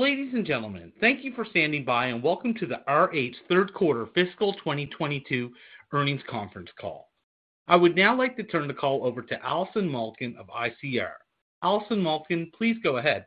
Ladies and gentlemen, thank you for standing by and welcome to the RH Third Quarter Fiscal 2022 Earnings Conference Call. I would now like to turn the call over to Allison Malkin of ICR. Allison Malkin, please go ahead.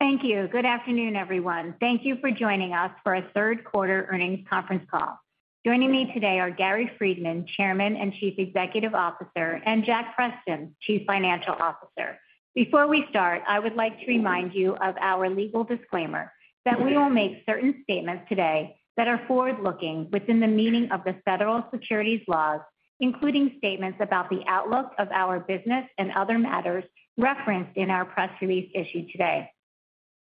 Thank you. Good afternoon, everyone. Thank you for joining us for our third quarter earnings conference call. Joining me today are Gary Friedman, Chairman and Chief Executive Officer, and Jack Preston, Chief Financial Officer. Before we start, I would like to remind you of our legal disclaimer that we will make certain statements today that are forward-looking within the meaning of the federal securities laws, including statements about the outlook of our business and other matters referenced in our press release issued today.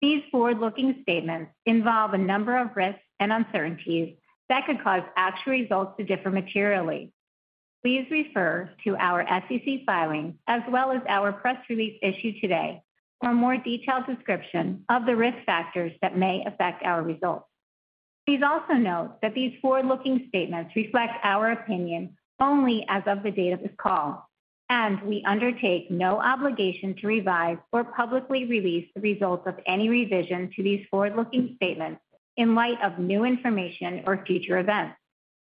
These forward-looking statements involve a number of risks and uncertainties that could cause actual results to differ materially. Please refer to our SEC filings as well as our press release issued today for a more detailed description of the risk factors that may affect our results. Please also note that these forward-looking statements reflect our opinion only as of the date of this call, and we undertake no obligation to revise or publicly release the results of any revision to these forward-looking statements in light of new information or future events.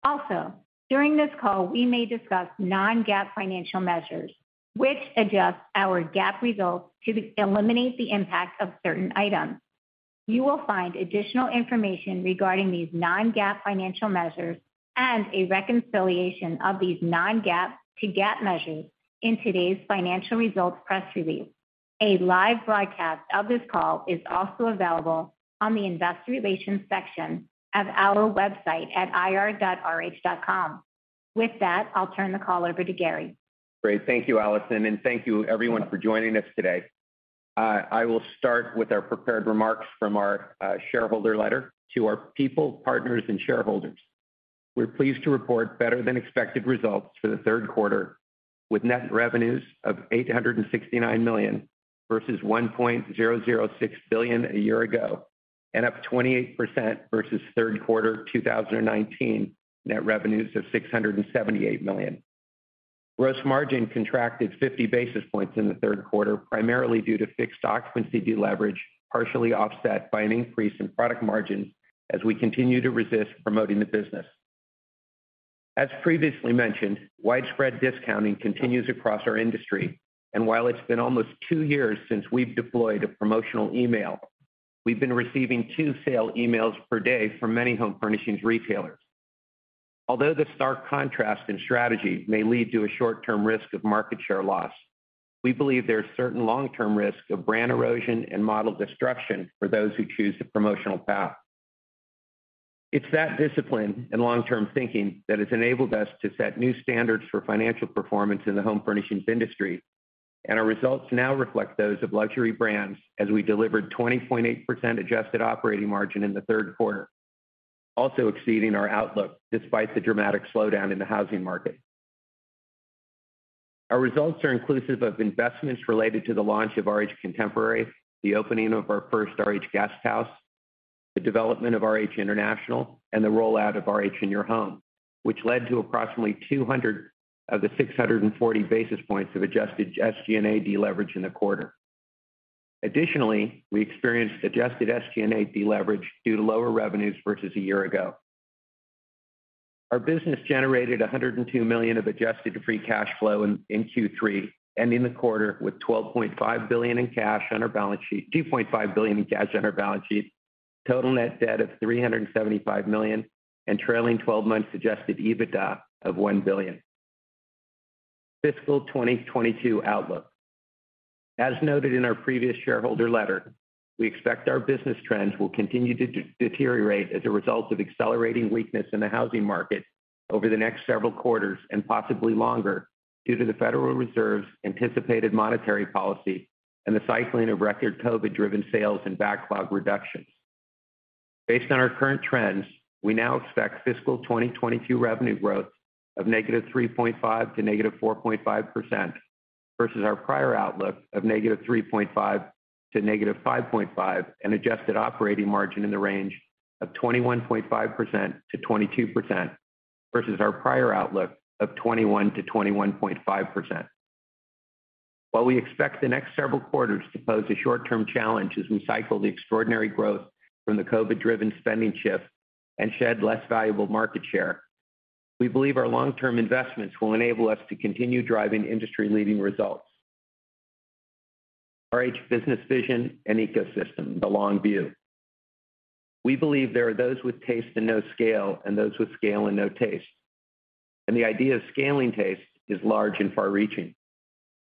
Also, during this call, we may discuss non-GAAP financial measures, which adjust our GAAP results to eliminate the impact of certain items. You will find additional information regarding these non-GAAP financial measures and a reconciliation of these non-GAAP to GAAP measures in today's financial results press release. A live broadcast of this call is also available on the investor relations section of our website at ir.rh.com. With that, I'll turn the call over to Gary. Great. Thank you, Allison, and thank you everyone for joining us today. I will start with our prepared remarks from our shareholder letter to our people, partners, and shareholders. We're pleased to report better than expected results for the third quarter with net revenues of $869 million versus $1.006 billion a year ago and up 28% versus third quarter 2019 net revenues of $678 million. Gross margin contracted 50 basis points in the third quarter, primarily due to fixed occupancy deleverage, partially offset by an increase in product margin as we continue to resist promoting the business. As previously mentioned, widespread discounting continues across our industry, and while it's been almost two years since we've deployed a promotional email, we've been receiving two sale emails per day from many home furnishings retailers. Although the stark contrast in strategy may lead to a short-term risk of market share loss, we believe there are certain long-term risks of brand erosion and model destruction for those who choose the promotional path. It's that discipline and long-term thinking that has enabled us to set new standards for financial performance in the home furnishings industry. Our results now reflect those of luxury brands as we delivered 20.8% adjusted operating margin in the third quarter, also exceeding our outlook despite the dramatic slowdown in the housing market. Our results are inclusive of investments related to the launch of RH Contemporary, the opening of our first RH Guesthouse, the development of RH International, and the rollout of RH In-Your-Home, which led to approximately 200 of the 640 basis points of adjusted SG&A deleverage in the quarter. Additionally, we experienced adjusted SG&A deleverage due to lower revenues versus a year ago. Our business generated $102 million of adjusted free cash flow in Q3, ending the quarter with $12.5 billion in cash on our balance sheet, total net debt of $375 million, and trailing 12 months adjusted EBITDA of $1 billion. Fiscal 2022 outlook. As noted in our previous shareholder letter, we expect our business trends will continue to deteriorate as a result of accelerating weakness in the housing market over the next several quarters and possibly longer due to the Federal Reserve's anticipated monetary policy and the cycling of record COVID-driven sales and backlog reductions. Based on our current trends, we now expect fiscal 2022 revenue growth of -3.5% to -4.5% versus our prior outlook of -3.5% to -5.5%, and adjusted operating margin in the range of 21.5%-22% versus our prior outlook of 21%-21.5%. While we expect the next several quarters to pose a short-term challenge as we cycle the extraordinary growth from the COVID-driven spending shift and shed less valuable market share, we believe our long-term investments will enable us to continue driving industry-leading results. RH business vision and ecosystem, the long view. We believe there are those with taste and no scale and those with scale and no taste. The idea of scaling taste is large and far-reaching.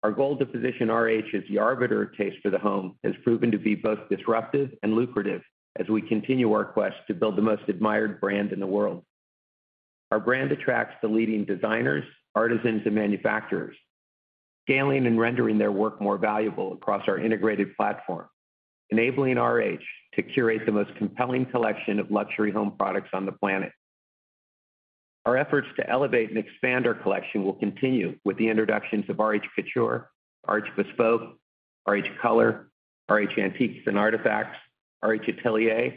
Our goal to position RH as the arbiter of taste for the home has proven to be both disruptive and lucrative as we continue our quest to build the most admired brand in the world. Our brand attracts the leading designers, artisans, and manufacturers, scaling and rendering their work more valuable across our integrated platform, enabling RH to curate the most compelling collection of luxury home products on the planet. Our efforts to elevate and expand our collection will continue with the introductions of RH Couture, RH Bespoke, RH Color, RH Antiques and Artifacts, RH Atelier,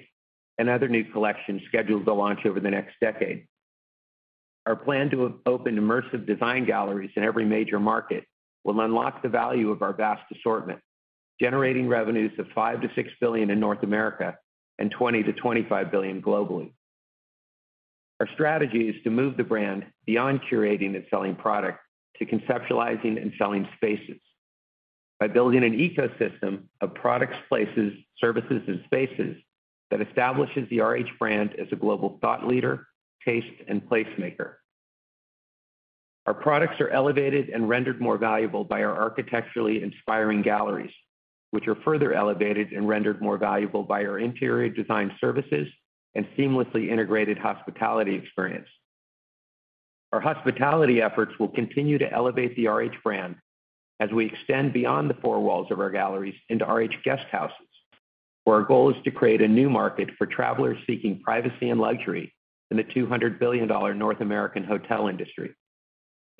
and other new collections scheduled to launch over the next decade. Our plan to open immersive design galleries in every major market will unlock the value of our vast assortment, generating revenues of $5 billion-$6 billion in North America and $20 billion-$25 billion globally. Our strategy is to move the brand beyond curating and selling product to conceptualizing and selling spaces by building an ecosystem of products, places, services, and spaces that establishes the RH brand as a global thought leader, taste, and placemaker. Our products are elevated and rendered more valuable by our architecturally inspiring galleries, which are further elevated and rendered more valuable by our interior design services and seamlessly integrated hospitality experience. Our hospitality efforts will continue to elevate the RH brand as we extend beyond the four walls of our galleries into RH Guesthouses, where our goal is to create a new market for travelers seeking privacy and luxury in the $200 billion North American hotel industry.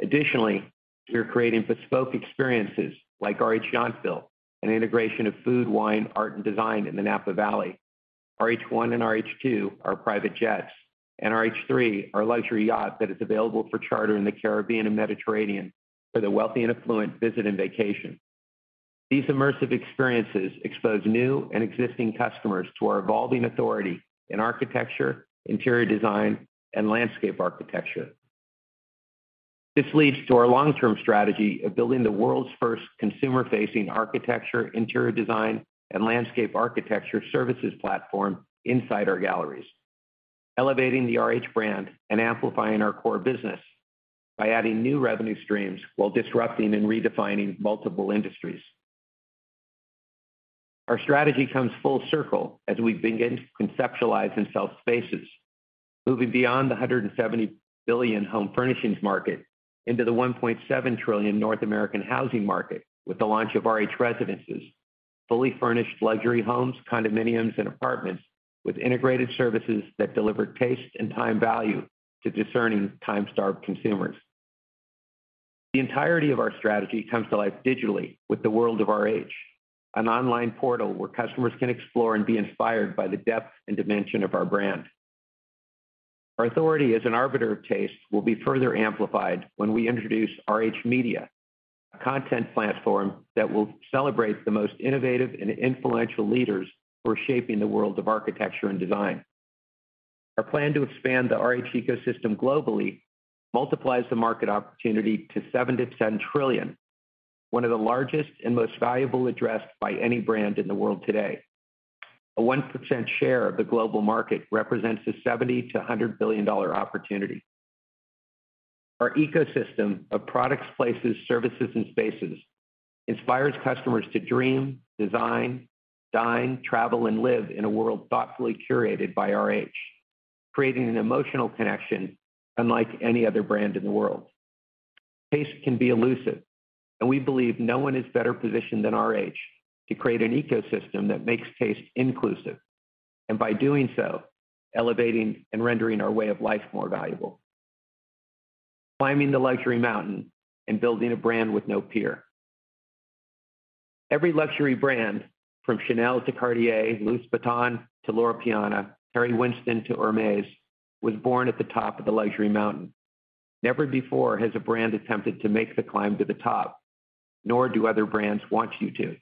Additionally, we are creating bespoke experiences like RH Yountville, an integration of food, wine, art, and design in the Napa Valley. RH ONE and RH TWO are private jets, and RH THREE, our luxury yacht that is available for charter in the Caribbean and Mediterranean for the wealthy and affluent visit and vacation. These immersive experiences expose new and existing customers to our evolving authority in architecture, interior design, and landscape architecture. This leads to our long-term strategy of building the world's first consumer-facing architecture, interior design, and landscape architecture services platform inside our galleries, elevating the RH brand and amplifying our core business by adding new revenue streams while disrupting and redefining multiple industries. Our strategy comes full circle as we begin to conceptualize and sell spaces, moving beyond the $170 billion home furnishings market into the $1.7 trillion North American housing market with the launch of RH Residences, fully furnished luxury homes, condominiums, and apartments with integrated services that deliver taste and time value to discerning time-starved consumers. The entirety of our strategy comes to life digitally with the World of RH, an online portal where customers can explore and be inspired by the depth and dimension of our brand. Our authority as an arbiter of taste will be further amplified when we introduce RH Media, a content platform that will celebrate the most innovative and influential leaders who are shaping the world of architecture and design. Our plan to expand the RH ecosystem globally multiplies the market opportunity to $7 trillion-$10 trillion, one of the largest and most valuable addressed by any brand in the world today. A 1% share of the global market represents a $70 billion-$100 billion opportunity. Our ecosystem of products, places, services, and spaces inspires customers to dream, design, dine, travel, and live in a world thoughtfully curated by RH, creating an emotional connection unlike any other brand in the world. Taste can be elusive, and we believe no one is better positioned than RH to create an ecosystem that makes taste inclusive, and by doing so, elevating and rendering our way of life more valuable. Climbing the luxury mountain and building a brand with no peer. Every luxury brand, from Chanel to Cartier, Louis Vuitton to Loro Piana, Harry Winston to Hermès, was born at the top of the luxury mountain. Never before has a brand attempted to make the climb to the top, nor do other brands want you to.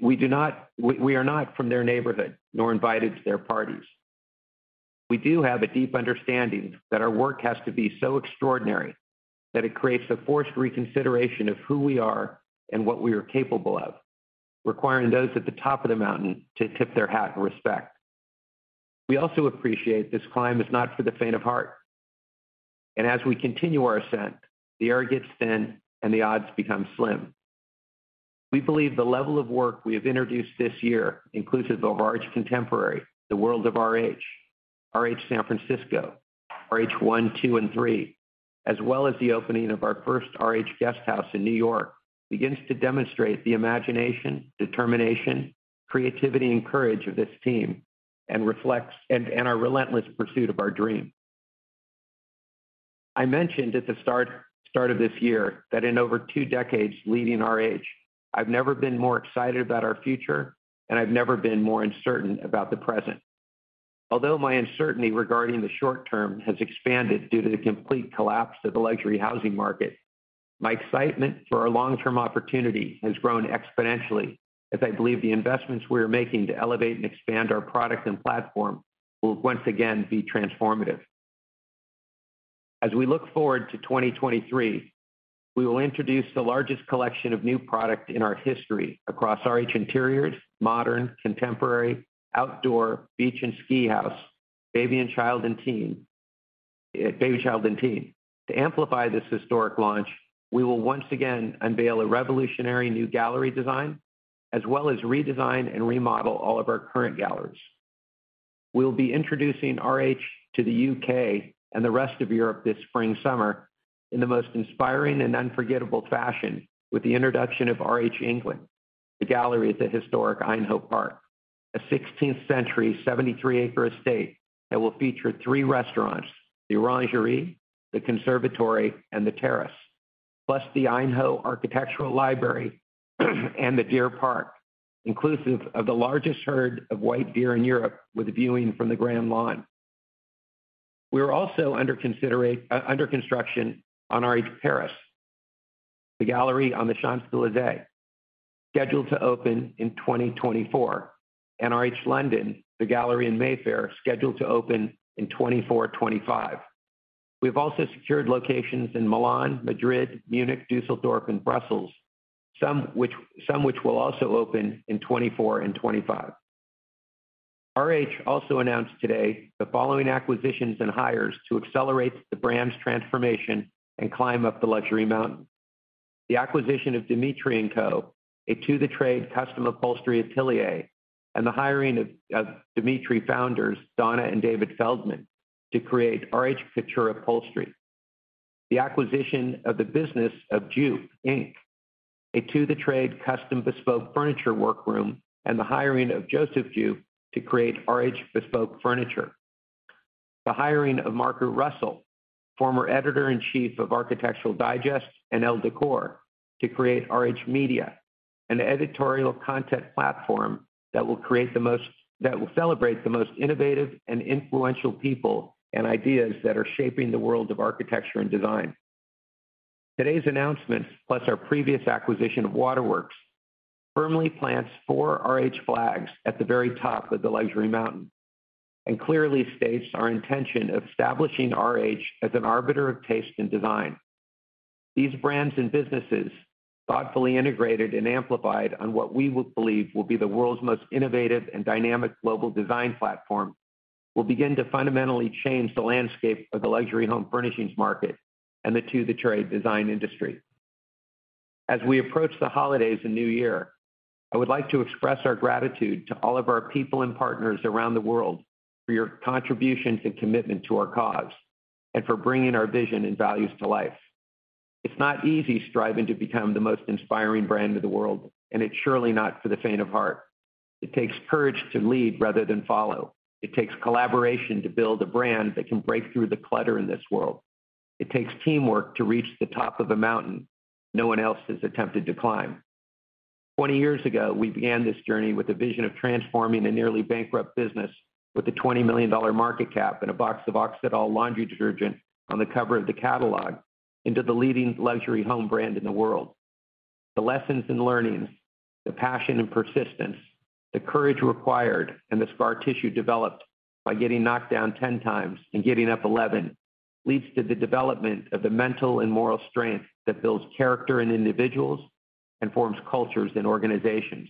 We are not from their neighborhood, nor invited to their parties. We do have a deep understanding that our work has to be so extraordinary that it creates a forced reconsideration of who we are and what we are capable of, requiring those at the top of the mountain to tip their hat in respect. We also appreciate this climb is not for the faint of heart. As we continue our ascent, the air gets thin and the odds become slim. We believe the level of work we have introduced this year, inclusive of RH Contemporary, the World of RH, RH San Francisco, RH ONE, TWO, and THREE, as well as the opening of our first RH Guesthouse in New York, begins to demonstrate the imagination, determination, creativity, and courage of this team and reflects and our relentless pursuit of our dream. I mentioned at the start of this year that in over two decades leading RH, I've never been more excited about our future, and I've never been more uncertain about the present. Although my uncertainty regarding the short term has expanded due to the complete collapse of the luxury housing market, my excitement for our long-term opportunity has grown exponentially as I believe the investments we are making to elevate and expand our product and platform will once again be transformative. As we look forward to 2023, we will introduce the largest collection of new product in our history across RH Interiors, RH Modern, RH Contemporary, RH Outdoor, RH Beach and Ski House, Baby & Child, and Teen. To amplify this historic launch, we will once again unveil a revolutionary new gallery design as well as redesign and remodel all of our current galleries. We'll be introducing RH to the U.K. and the rest of Europe this spring, summer in the most inspiring and unforgettable fashion with the introduction of RH England, The Gallery at the historic Aynho Park, a 16th century 73 acre estate that will feature three restaurants, The Orangery, The Conservatory, and The Terrace. Plus the Aynho Architecture & Design Library and the Deer Park, inclusive of the largest herd of white deer in Europe with a viewing from the grand lawn. We're also under construction on RH Paris. The gallery on the Champs-Élysées, scheduled to open in 2024, and RH London, the gallery in Mayfair, scheduled to open in 2024, 2025. We've also secured locations in Milan, Madrid, Munich, Düsseldorf, and Brussels, some which will also open in 2024 and 2025. RH also announced today the following acquisitions and hires to accelerate the brand's transformation and climb up the luxury mountain. The acquisition of Dmitriy & Co, a to-the-trade custom upholstery atelier, and the hiring of Dmitriy founders Donna and David Feldman to create RH Couture Upholstery. The acquisition of the business of Jeup, Inc., a to-the-trade custom bespoke furniture workroom, and the hiring of Joseph Jeup to create RH Bespoke Furniture. The hiring of Margaret Russell, former editor-in-chief of Architectural Digest and Elle Decor, to create RH Media, an editorial content platform that will celebrate the most innovative and influential people and ideas that are shaping the world of architecture and design. Today's announcement, plus our previous acquisition of Waterworks, firmly plants four RH flags at the very top of the luxury mountain and clearly states our intention of establishing RH as an arbiter of taste and design. These brands and businesses, thoughtfully integrated and amplified on what we would believe will be the world's most innovative and dynamic global design platform, will begin to fundamentally change the landscape of the luxury home furnishings market and the to-the-trade design industry. As we approach the holidays and new year, I would like to express our gratitude to all of our people and partners around the world for your contributions and commitment to our cause and for bringing our vision and values to life. It's not easy striving to become the most inspiring brand in the world, and it's surely not for the faint of heart. It takes courage to lead rather than follow. It takes collaboration to build a brand that can break through the clutter in this world. It takes teamwork to reach the top of a mountain no one else has attempted to climb. 20 years ago, we began this journey with a vision of transforming a nearly bankrupt business with a $20 million market cap and a box of Oxydol laundry detergent on the cover of the catalog into the leading luxury home brand in the world. The lessons and learnings, the passion and persistence, the courage required, and the scar tissue developed by getting knocked down 10 times and getting up 11 leads to the development of the mental and moral strength that builds character in individuals and forms cultures in organizations.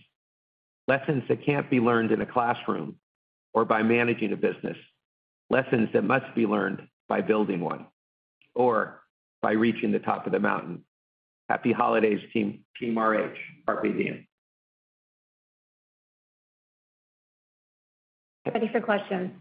Lessons that can't be learned in a classroom or by managing a business. Lessons that must be learned by building one or by reaching the top of the mountain. Happy holidays, team, Team RH. Carpe diem. Ready for questions.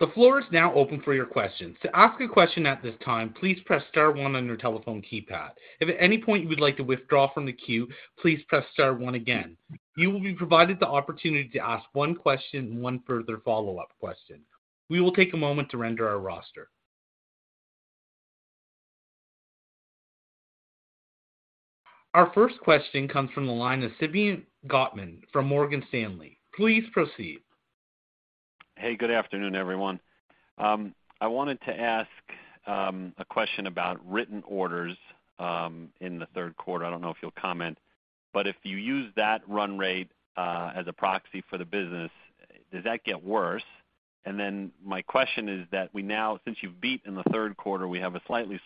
The floor is now open for your questions. To ask a question at this time, please press star one on your telephone keypad. If at any point you would like to withdraw from the queue, please press star one again. You will be provided the opportunity to ask one question and one further follow-up question. We will take a moment to render our roster. Our first question comes from the line of Simeon Gutman from Morgan Stanley. Please proceed. Good afternoon, everyone. I wanted to ask a question about written orders in the third quarter. I don't know if you'll comment, but if you use that run rate as a proxy for the business, does that get worse? My question is that we now since you've beat in the third quarter, we have a slightly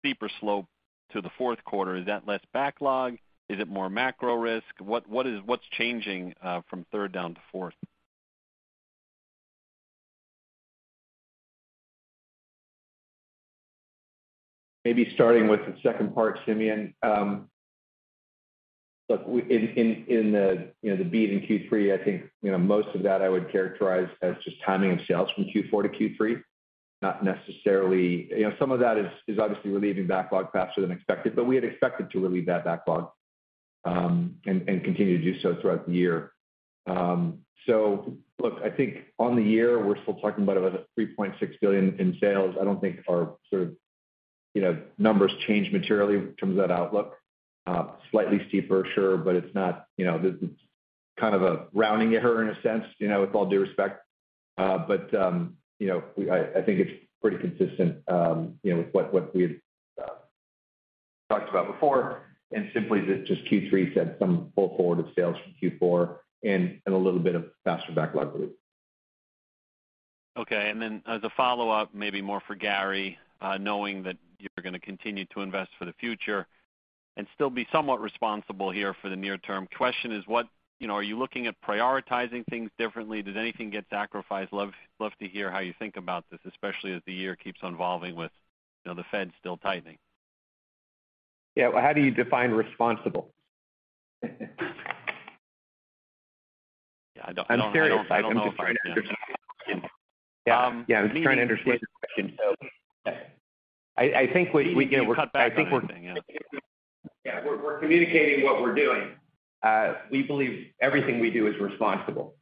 steeper slope to the fourth quarter. Is that less backlog? Is it more macro risk? What's changing from third down to fourth? Maybe starting with the second part, Simeon. look, in the, you know, the beat in Q3, I think, you know, most of that I would characterize as just timing of sales from Q4 to Q3. Not necessarily. You know, some of that is obviously relieving backlog faster than expected, but we had expected to relieve that backlog, and continue to do so throughout the year. look, I think on the year, we're still talking about a $3.6 billion in sales. I don't think our sort of, you know, numbers change materially in terms of that outlook. Slightly steeper, sure, but it's not, you know, this is kind of a rounding error in a sense, you know, with all due respect. You know, I think it's pretty consistent, you know, with what we had talked about before, and simply that just Q3 said some pull forward of sales from Q4 and a little bit of faster backlog build. Okay. As a follow-up, maybe more for Gary, knowing that you're gonna continue to invest for the future and still be somewhat responsible here for the near term, question is, you know, are you looking at prioritizing things differently? Does anything get sacrificed? Love to hear how you think about this, especially as the year keeps involving with, you know, the Fed still tightening. Yeah. How do you define responsible? Yeah. I don't know if. I'm serious. I'm just trying to interject your question. Um. Yeah. Yeah. I'm just trying to interject your question. I think. Cut back on everything, yeah. Yeah, we're communicating what we're doing. We believe everything we do is responsible.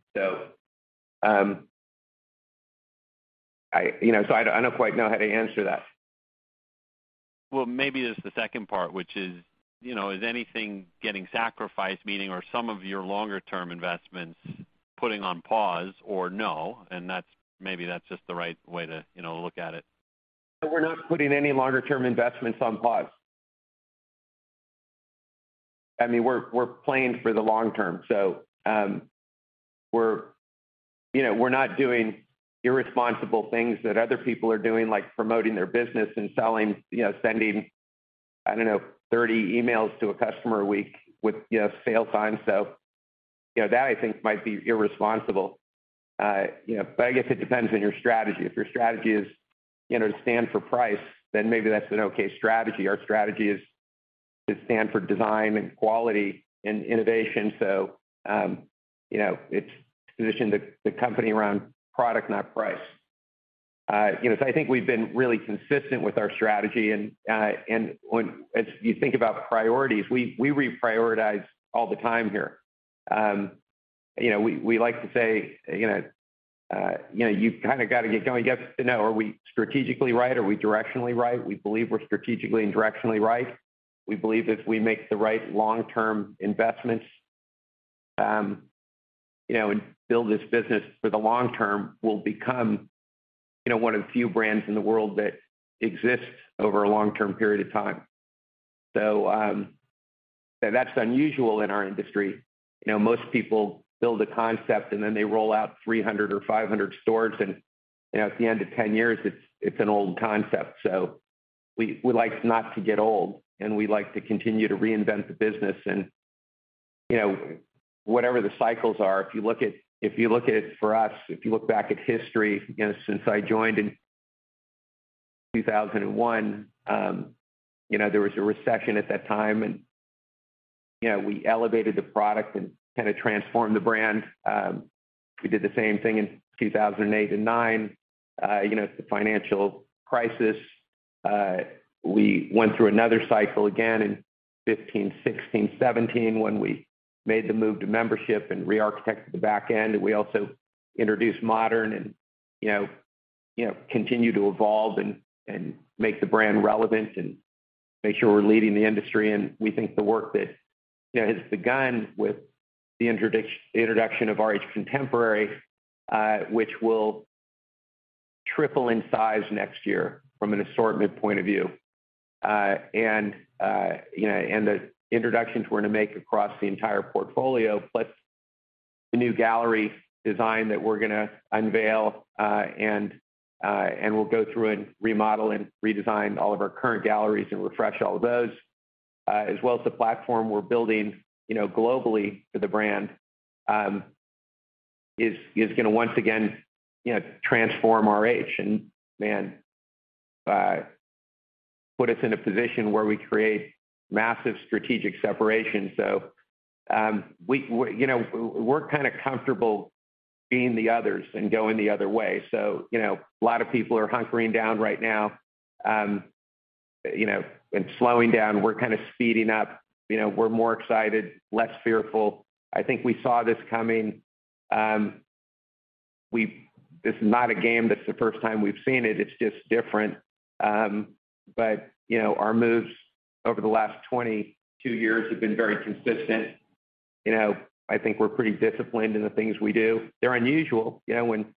I, you know, I don't quite know how to answer that. Well, maybe it's the second part, which is, you know, is anything getting sacrificed, meaning are some of your longer term investments putting on pause or no? Maybe that's just the right way to, you know, look at it. We're not putting any longer term investments on pause. I mean, we're playing for the long term. We're, you know, we're not doing irresponsible things that other people are doing, like promoting their business and selling, you know, sending, I don't know, 30 emails to a customer a week with, you know, sale signs. That I think might be irresponsible. You know, but I guess it depends on your strategy. If your strategy is, you know, to stand for price, then maybe that's an okay strategy. Our strategy is to stand for design and quality and innovation. It's positioned the company around product, not price. I think we've been really consistent with our strategy. As you think about priorities, we reprioritize all the time here. You know, we like to say, you know, you've kinda gotta get going. You have to know, are we strategically right? Are we directionally right? We believe we're strategically and directionally right. We believe if we make the right long-term investments, you know, and build this business for the long term, we'll become, you know, one of the few brands in the world that exists over a long-term period of time. That's unusual in our industry. You know, most people build a concept, then they roll out 300 or 500 stores. you know, at the end of 10 years, it's an old concept. We, we like not to get old, and we like to continue to reinvent the business and, you know, whatever the cycles are. If you look at, if you look at it for us, if you look back at history, you know, since I joined in 2001, you know, there was a recession at that time and, you know, we elevated the product and kind of transformed the brand. We did the same thing in 2008 and 2009, you know, with the financial crisis. We went through another cycle again in 2015, 2016, 2017, when we made the move to membership and rearchitected the back end. We also introduced Modern and, you know, continue to evolve and make the brand relevant and make sure we're leading the industry. We think the work that, you know, has begun with the introduction of RH Contemporary, which will triple in size next year from an assortment point of view. You know, the introductions we're gonna make across the entire portfolio, plus the new gallery design that we're gonna unveil, and we'll go through and remodel and redesign all of our current galleries and refresh all of those, as well as the platform we're building, you know, globally for the brand, is gonna once again, you know, transform RH. Man, put us in a position where we create massive strategic separation. We, you know, we're kinda comfortable being the others and going the other way. You know, a lot of people are hunkering down right now, you know, and slowing down. We're kinda speeding up. You know, we're more excited, less fearful. I think we saw this coming. This is not a game that's the first time we've seen it. It's just different. You know, our moves over the last 22 years have been very consistent. You know, I think we're pretty disciplined in the things we do. They're unusual. You know, when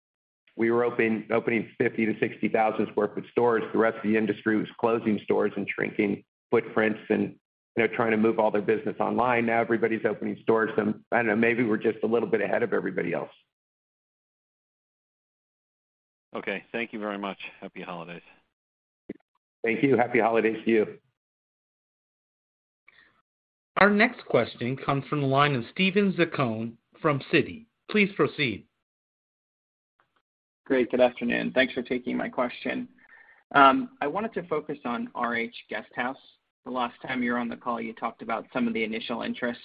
we were opening 50,000-60,000 sq ft stores, the rest of the industry was closing stores and shrinking footprints and, you know, trying to move all their business online. Now everybody's opening stores. I don't know, maybe we're just a little bit ahead of everybody else. Okay, thank you very much. Happy holidays. Thank you. Happy holidays to you. Our next question comes from the line of Steven Zaccone from Citi. Please proceed. Great. Good afternoon. Thanks for taking my question. I wanted to focus on RH Guesthouse. The last time you were on the call, you talked about some of the initial interest.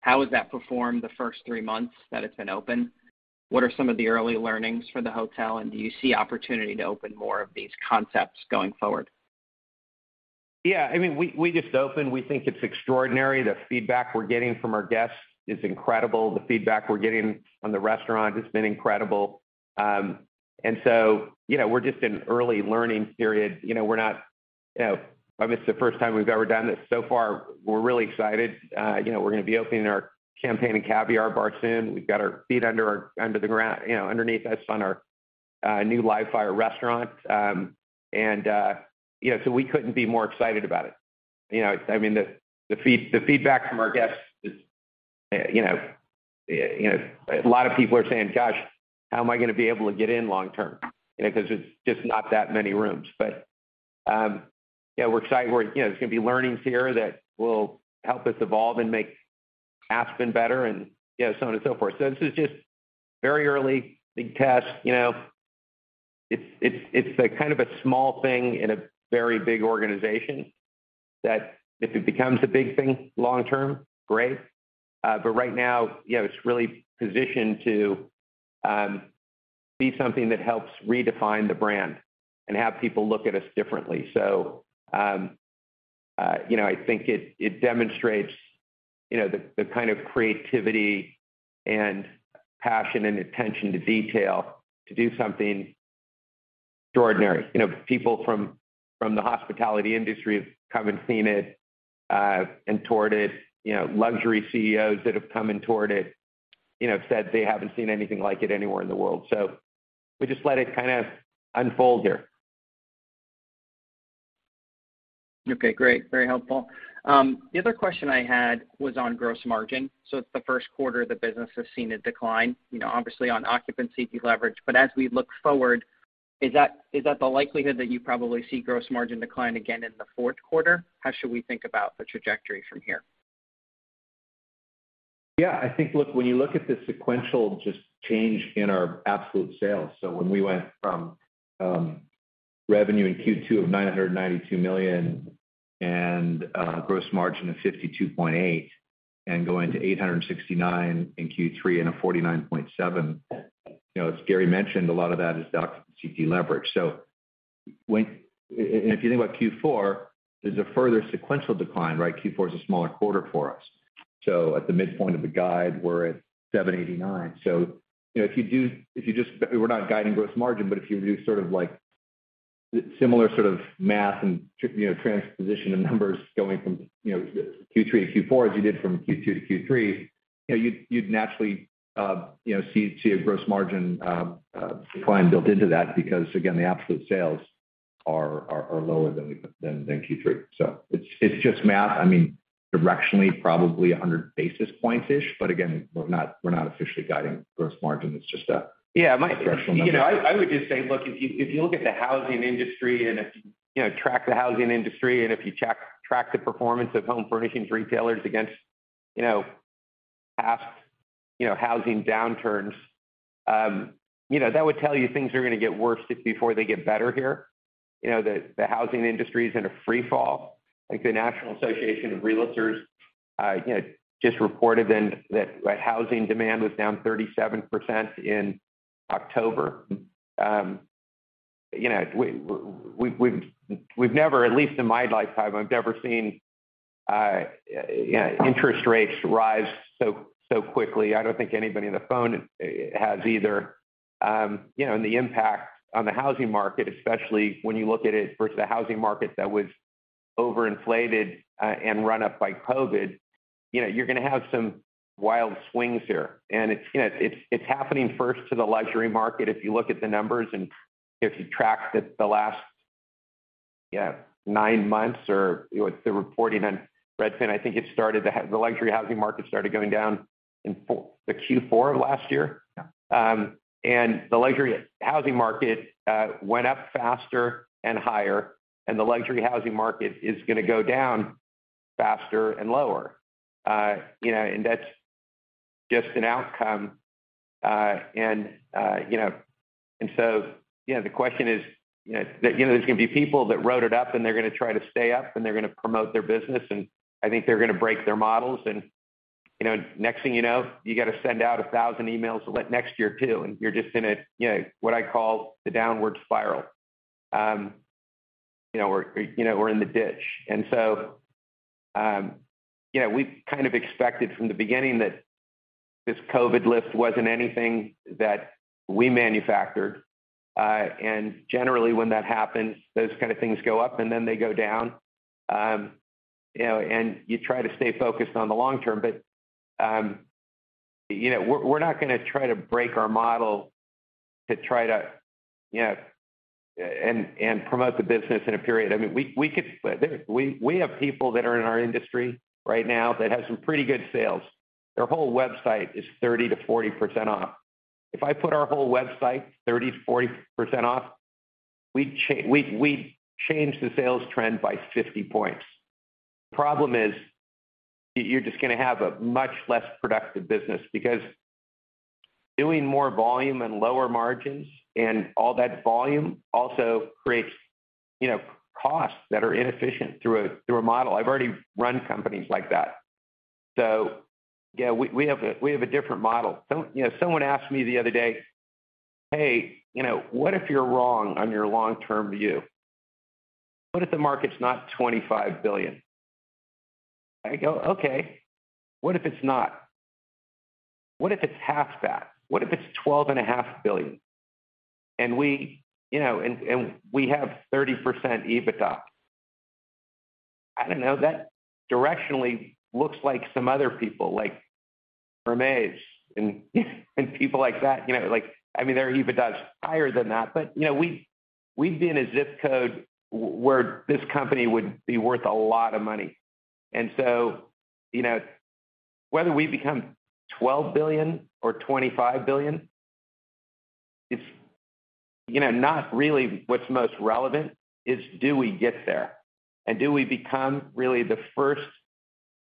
How has that performed the first three months that it's been open? What are some of the early learnings for the hotel, and do you see opportunity to open more of these concepts going forward? Yeah. I mean, we just opened. We think it's extraordinary. The feedback we're getting from our guests is incredible. The feedback we're getting from the restaurant has been incredible. You know, we're just in early learning period. You know, we're not... You know, I mean, it's the first time we've ever done this. So far, we're really excited. You know, we're gonna be opening our Champagne & Caviar Bar soon. We've got our feet under the ground, you know, underneath us on our new live fire restaurant. You know, we couldn't be more excited about it. You know, I mean, the feedback from our guests is, you know, a lot of people are saying, "Gosh, how am I gonna be able to get in long term?" You know, 'cause it's just not that many rooms. We're excited. We're, you know, there's gonna be learnings here that will help us evolve and make Aspen better and, you know, so on and so forth. This is just very early big test. You know, it's a kind of a small thing in a very big organization that if it becomes a big thing long term, great. Right now, you know, it's really positioned to Be something that helps redefine the brand and have people look at us differently. You know, I think it demonstrates, you know, the kind of creativity and passion and attention to detail to do something extraordinary. You know, people from the hospitality industry have come and seen it, and toured it. You know, luxury CEOs that have come and toured it, you know, have said they haven't seen anything like it anywhere in the world. We just let it kind of unfold here. Okay, great. Very helpful. The other question I had was on gross margin. It's the first quarter the business has seen a decline, you know, obviously on occupancy deleverage. As we look forward, is that the likelihood that you probably see gross margin decline again in the fourth quarter? How should we think about the trajectory from here? Yeah, I think, look, when you look at the sequential just change in our absolute sales. When we went from revenue in Q2 of $992 million and gross margin of 52.8% and going to $869 million in Q3 and 49.7%, you know, as Gary mentioned, a lot of that is occupancy deleverage. If you think about Q4, there's a further sequential decline, right? Q4 is a smaller quarter for us. At the midpoint of the guide, we're at $789 million. You know, if you just, we're not guiding gross margin, but if you do sort of like similar sort of math and, you know, transposition of numbers going from, you know, Q3 to Q4, as you did from Q2 to Q3, you'd naturally, you know, see a gross margin decline built into that because, again, the absolute sales are lower than Q3. It's just math. I mean, directionally, probably 100 basis point-ish, but again, we're not officially guiding gross margin. It's just a directional number. You know, I would just say, look, if you, if you look at the housing industry and if, you know, track the housing industry, and if you track the performance of home furnishings retailers against, you know, past, you know, housing downturns, you know, that would tell you things are gonna get worse before they get better here. You know, the housing industry is in a free fall. Like, the National Association of Realtors, you know, just reported in that housing demand was down 37% in October. You know, we've never, at least in my lifetime, I've never seen, you know, interest rates rise so quickly. I don't think anybody on the phone has either. You know, the impact on the housing market, especially when you look at it versus a housing market that was overinflated and run up by COVID, you know, you're gonna have some wild swings here. It's, you know, it's happening first to the luxury market. If you look at the numbers and if you track the last, yeah, nine months or the reporting on Redfin, I think the luxury housing market started going down in Q4 of last year. The luxury housing market went up faster and higher, and the luxury housing market is gonna go down faster and lower. You know, that's just an outcome. You know. You know, the question is, you know, there's gonna be people that rode it up, and they're gonna try to stay up, and they're gonna promote their business, and I think they're gonna break their models. You know, next thing you know, you got to send out 1,000 emails next year too, and you're just in a, you know, what I call the downward spiral. You know, we're, you know, we're in the ditch. You know, we kind of expected from the beginning that this COVID lift wasn't anything that we manufactured. Generally when that happens, those kind of things go up, and then they go down. You know, and you try to stay focused on the long term. You know, we're not gonna try to break our model to try to, you know, and promote the business in a period. I mean, we have people that are in our industry right now that have some pretty good sales. Their whole website is 30%-40% off. If I put our whole website 30%-40% off, we'd change the sales trend by 50 points. The problem is you're just gonna have a much less productive business because doing more volume and lower margins and all that volume also creates, you know, costs that are inefficient through a, through a model. I've already run companies like that. yeah, we have a, we have a different model. You know, someone asked me the other day, "Hey, you know, what if you're wrong on your long-term view? What if the market's not $25 billion?" I go, "Okay, what if it's not? What if it's half that? What if it's $12.5 billion?" We, you know, and we have 30% EBITDA. I don't know. That directionally looks like some other people, like Hermès and people like that. You know, like, I mean, their EBITDA is higher than that. You know, we'd be in a ZIP code where this company would be worth a lot of money. You know, whether we become $12 billion or $25 billion is, you know, not really what's most relevant. It's do we get there? Do we become really the first,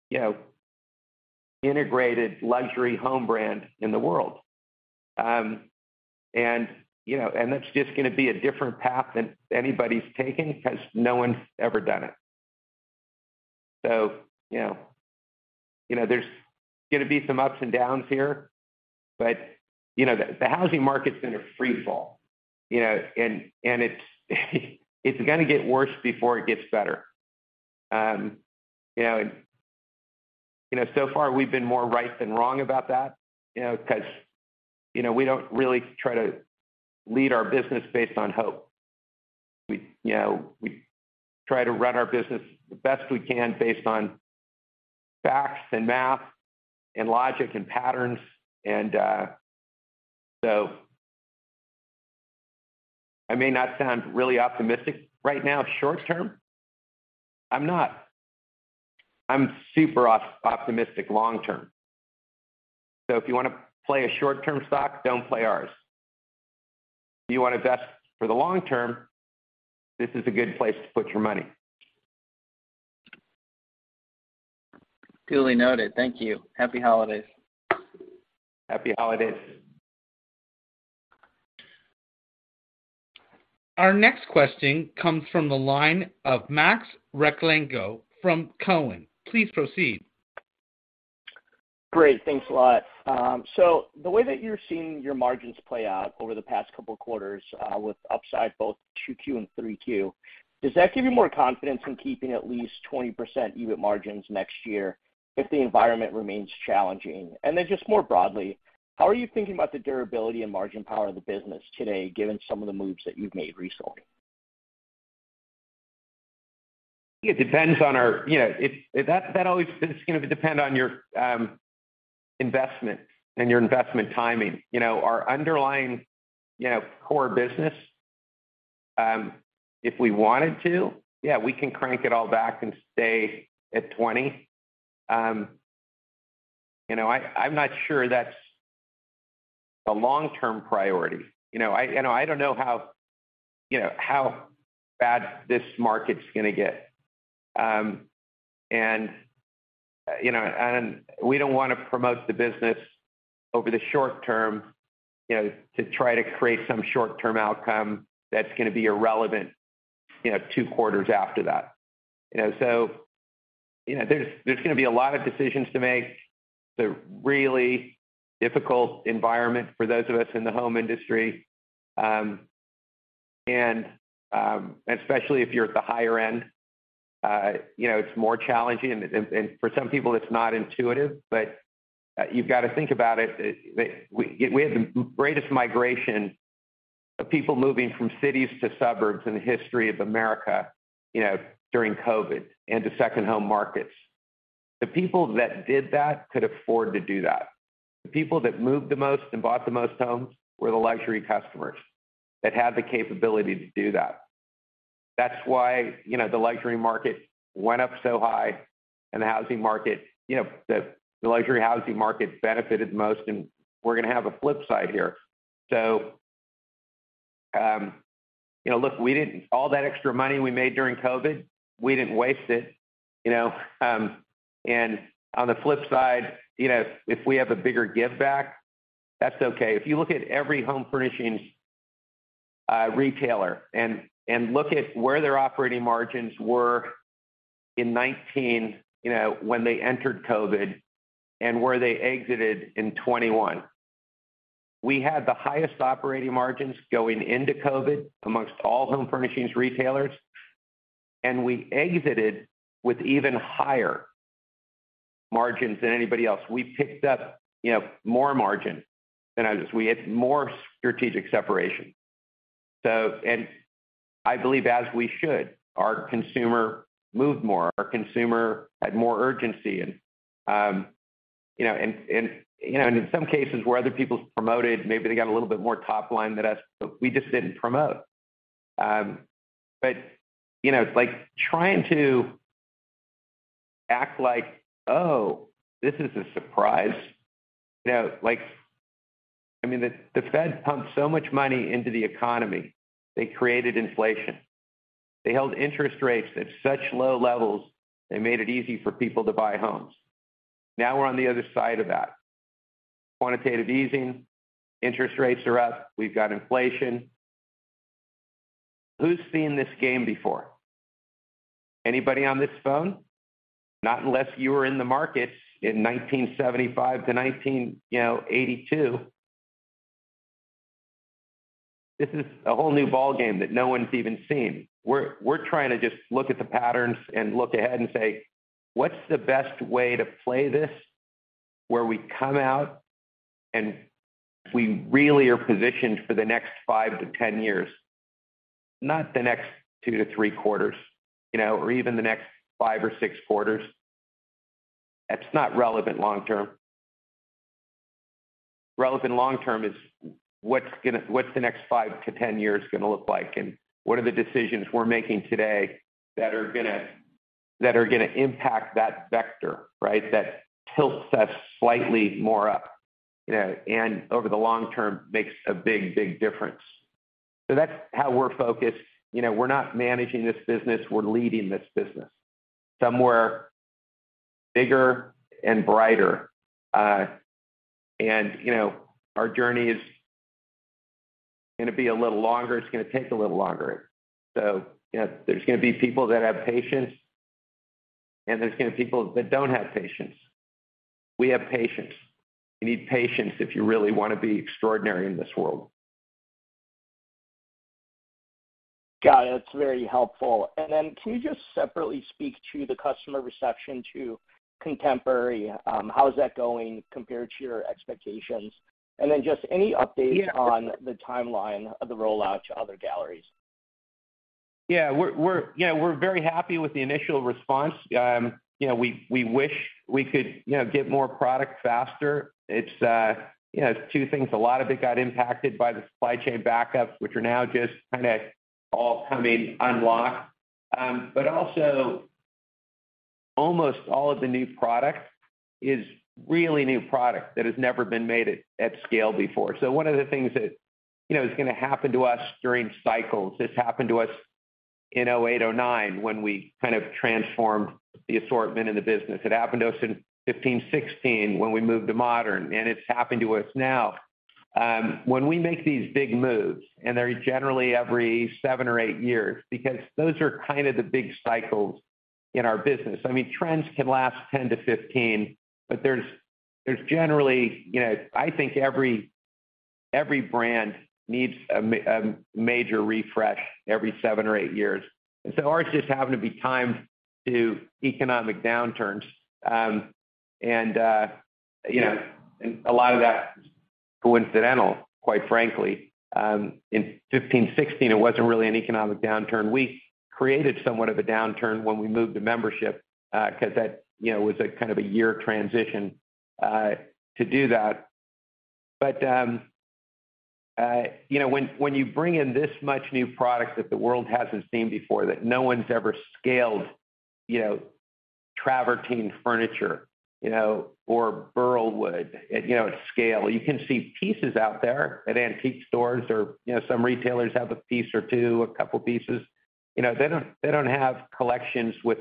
you know, integrated luxury home brand in the world? You know, and that's just gonna be a different path than anybody's taken 'cause no one's ever done it. You know, you know, there's gonna be some ups and downs here, but, you know, the housing market's in a free fall, you know. It's gonna get worse before it gets better. You know, and, you know, so far we've been more right than wrong about that, you know, 'cause, you know, we don't really try to lead our business based on hope. We, you know, we try to run our business the best we can based on facts and math and logic and patterns. I may not sound really optimistic right now short term. I'm not. I'm super optimistic long term. If you wanna play a short term stock, don't play ours. If you wanna invest for the long term, this is a good place to put your money. Duly noted. Thank you. Happy holidays. Happy holidays. Our next question comes from the line of Max Rakhlenko from Cowen. Please proceed. Great. Thanks a lot. The way that you're seeing your margins play out over the past couple quarters, with upside both 2Q and 3Q, does that give you more confidence in keeping at least 20% EBIT margins next year if the environment remains challenging? Then just more broadly, how are you thinking about the durability and margin power of the business today given some of the moves that you've made recently? It depends on our. You know, that always, it's gonna depend on your investment and your investment timing. You know, our underlying, you know, core business, if we wanted to, yeah, we can crank it all back and stay at 20%. You know, I'm not sure that's the long-term priority. You know, I don't know how, you know, how bad this market's gonna get. You know, we don't wanna promote the business over the short term, you know, to try to create some short-term outcome that's gonna be irrelevant, you know, two quarters after that. You know, there's gonna be a lot of decisions to make. It's a really difficult environment for those of us in the home industry. Especially if you're at the higher end, you know, it's more challenging and for some people it's not intuitive. You've got to think about it. We had the greatest migration of people moving from cities to suburbs in the history of America, you know, during COVID into second home markets. The people that did that could afford to do that. The people that moved the most and bought the most homes were the luxury customers that had the capability to do that. That's why, you know, the luxury market went up so high, and the housing market, you know, the luxury housing market benefited most, and we're gonna have a flip side here. You know, look, we didn't... All that extra money we made during COVID, we didn't waste it, you know. On the flip side, you know, if we have a bigger give back, that's okay. If you look at every home furnishings retailer and look at where their operating margins were in 2019, you know, when they entered COVID, and where they exited in 2021. We had the highest operating margins going into COVID amongst all home furnishings retailers, and we exited with even higher margins than anybody else. We picked up, you know, more margin than others. We had more strategic separation. I believe as we should, our consumer moved more, our consumer had more urgency. You know, and, you know, and in some cases where other people promoted, maybe they got a little bit more top line than us, but we just didn't promote. You know, it's like trying to act like, "Oh, this is a surprise." You know, like, I mean, the Fed pumped so much money into the economy, they created inflation. They held interest rates at such low levels, they made it easy for people to buy homes. Now we're on the other side of that. Quantitative easing, interest rates are up. We've got inflation. Who's seen this game before? Anybody on this phone? Not unless you were in the market in 1975 to, you know, 1982. This is a whole new ball game that no one's even seen. We're trying to just look at the patterns and look ahead and say, "What's the best way to play this where we come out and we really are positioned for the next five to 10 years?" Not the next two to three quarters, you know, or even the next five or six quarters. That's not relevant long term. Relevant long term is what's the next five to 10 years gonna look like, and what are the decisions we're making today that are gonna impact that vector, right? That tilts us slightly more up, you know, and over the long term makes a big, big difference. That's how we're focused. You know, we're not managing this business, we're leading this business somewhere bigger and brighter. You know, our journey is gonna be a little longer, it's gonna take a little longer. You know, there's gonna be people that have patience, and there's gonna be people that don't have patience. We have patience. You need patience if you really wanna be extraordinary in this world. Got it. That's very helpful. Can you just separately speak to the customer reception to contemporary? How is that going compared to your expectations? Just any update- Yeah. on the timeline of the rollout to other galleries. We're, you know, we're very happy with the initial response. You know, we wish we could, you know, get more product faster. It's, you know, two things: A lot of it got impacted by the supply chain backups, which are now just kinda all coming unlocked. Also, almost all of the new product is really new product that has never been made at scale before. One of the things that, you know, is gonna happen to us during cycles. This happened to us in 2008, 2009 when we kind of transformed the assortment in the business. It happened to us in 2015, 2016 when we moved to modern, and it's happened to us now. When we make these big moves, and they're generally every seven or eight years, because those are kind of the big cycles in our business. I mean, trends can last 10-15, but there's generally. You know, I think every brand needs a major refresh every seven or eight years. Ours just happened to be timed to economic downturns. You know, a lot of that's coincidental, quite frankly. In 2015, 2016, it wasn't really an economic downturn. We created somewhat of a downturn when we moved to membership, 'cause that, you know, was a kind of a year transition to do that. You know, when you bring in this much new product that the world hasn't seen before, that no one's ever scaled, you know, travertine furniture, you know, or burl wood at, you know, at scale. You can see pieces out there at antique stores or, you know, some retailers have a piece or two, a couple pieces. You know, they don't have collections with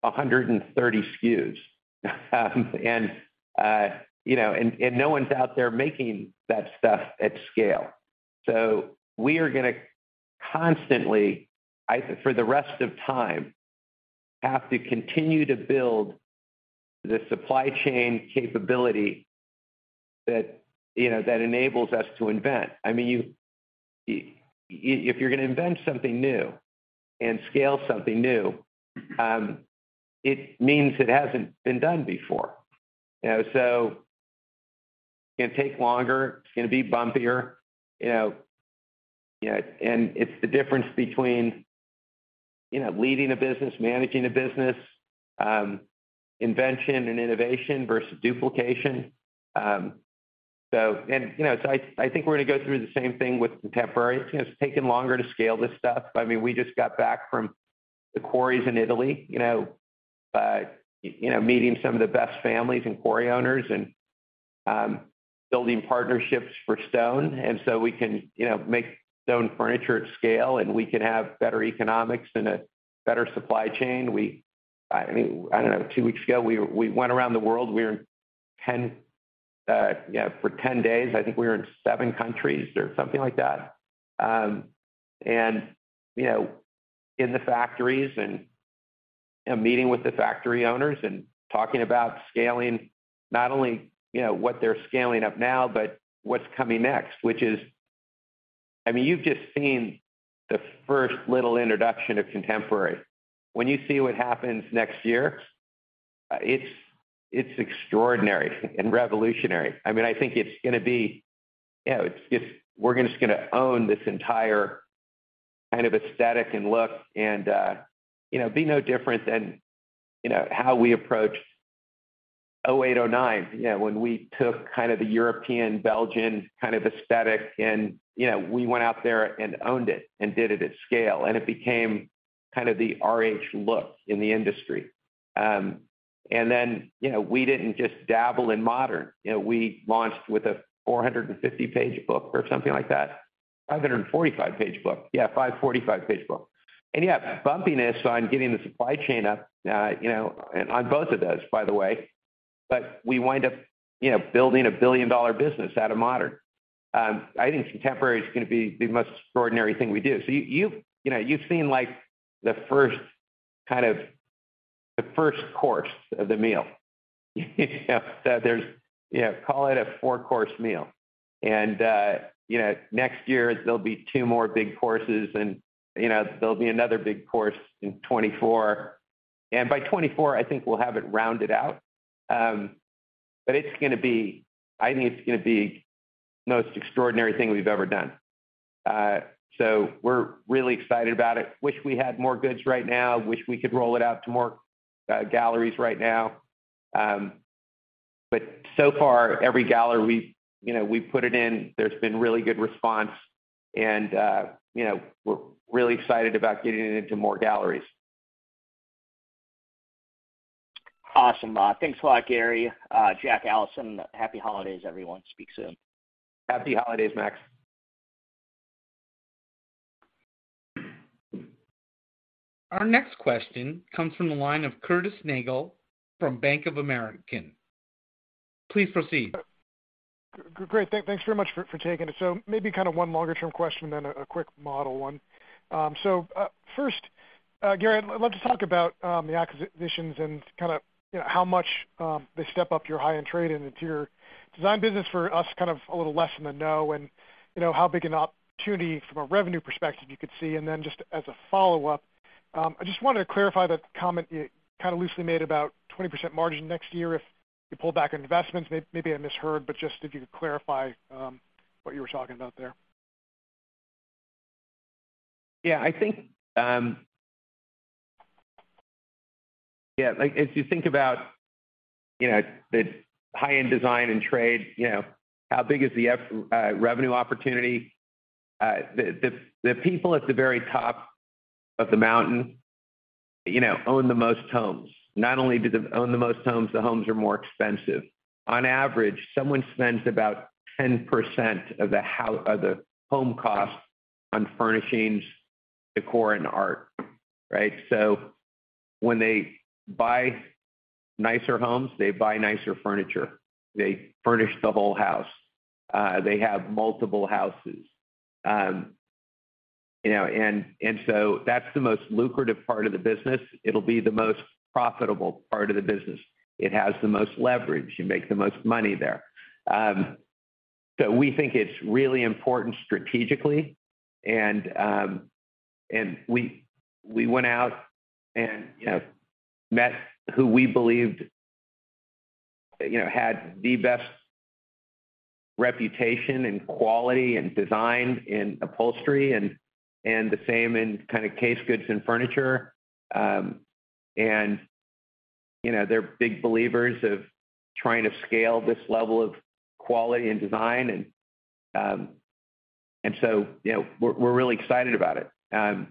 130 SKUs. And, you know, no one's out there making that stuff at scale. We are gonna constantly, for the rest of time, have to continue to build the supply chain capability that, you know, that enables us to invent. I mean, If you're gonna invent something new and scale something new, it means it hasn't been done before. You know, it's gonna take longer, it's gonna be bumpier, you know. You know, it's the difference between, you know, leading a business, managing a business, invention and innovation versus duplication. You know, so I think we're gonna go through the same thing with contemporary. It's just taking longer to scale this stuff. I mean, we just got back from the quarries in Italy, you know, meeting some of the best families and quarry owners and building partnerships for stone, so we can, you know, make stone furniture at scale, and we can have better economics and a better supply chain. I mean, I don't know, two weeks ago, we went around the world. We were in 10, you know, for 10 days, I think we were in seven countries or something like that. You know, in the factories and, you know, meeting with the factory owners and talking about scaling, not only, you know, what they're scaling up now, but what's coming next, which is... I mean, you've just seen the first little introduction of Contemporary. When you see what happens next year, it's extraordinary and revolutionary. I mean, I think it's gonna be, you know, we're just gonna own this entire kind of aesthetic and look and, you know, be no different than, you know, how we approached 2008, 2009, you know, when we took kind of the European, Belgian kind of aesthetic and, you know, we went out there and owned it and did it at scale, and it became kind of the RH look in the industry. You know, we didn't just dabble in Modern. You know, we launched with a 450-page book or something like that. 545-page book. Yeah, 545-page book. Yeah, bumpiness on getting the supply chain up, you know, on both of those, by the way. We wind up, you know, building a $1 billion business out of Modern. I think Contemporary is gonna be the most extraordinary thing we do. You've seen like the first kind of, the first course of the meal. You know? Call it a four-course meal. Next year there'll be two more big courses and, you know, there'll be another big course in 2024. By 2024, I think we'll have it rounded out. It's gonna be. I think it's gonna be the most extraordinary thing we've ever done. We're really excited about it. Wish we had more goods right now. Wish we could roll it out to more galleries right now. So far, every gallery we, you know, we've put it in, there's been really good response and, you know, we're really excited about getting it into more galleries. Awesome. Thanks a lot, Gary. Jack, Allison, happy holidays, everyone. Speak soon. Happy holidays, Max. Our next question comes from the line of Curtis Nagle from Bank of America. Please proceed. Great. Thanks very much for taking it. Maybe kind of one longer-term question then a quick model one. First, Gary, I'd love to talk about the acquisitions and kinda, you know, how much they step up your high-end trade and into your design business for us, kind of a little less in the know and, you know, how big an opportunity from a revenue perspective you could see. Just as a follow-up, I just wanted to clarify the comment you kinda loosely made about 20% margin next year if you pull back on investments. Maybe I misheard, just if you could clarify what you were talking about there. Yeah, I think, like, as you think about, you know, the high-end design and trade, you know, how big is the revenue opportunity? The people at the very top of the mountain, you know, own the most homes. Not only do they own the most homes, the homes are more expensive. On average, someone spends about 10% of the home cost on furnishings, decor and art, right? When they buy nicer homes, they buy nicer furniture. They furnish the whole house. They have multiple houses. You know, that's the most lucrative part of the business. It'll be the most profitable part of the business. It has the most leverage. You make the most money there. So we think it's really important strategically, and we went out and, you know, met who we believed, you know, had the best reputation and quality and design in upholstery and the same in kind of case goods and furniture. You know, they're big believers of trying to scale this level of quality and design. You know, we're really excited about it. You know,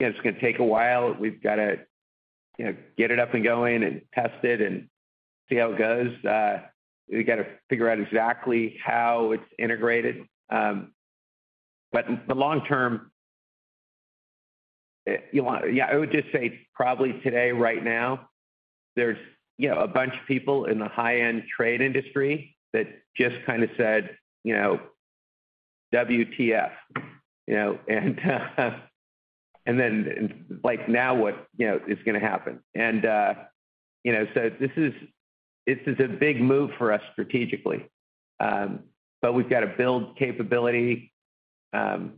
it's gonna take a while. We've gotta, you know, get it up and going and test it and see how it goes. We've gotta figure out exactly how it's integrated, the long term, you wanna... Yeah, I would just say probably today, right now, there's, you know, a bunch of people in the high-end trade industry that just kind of said, you know, "WTF?" You know, then, and like, now what, you know, is gonna happen? You know, so this is, this is a big move for us strategically, but we've got to build capability. You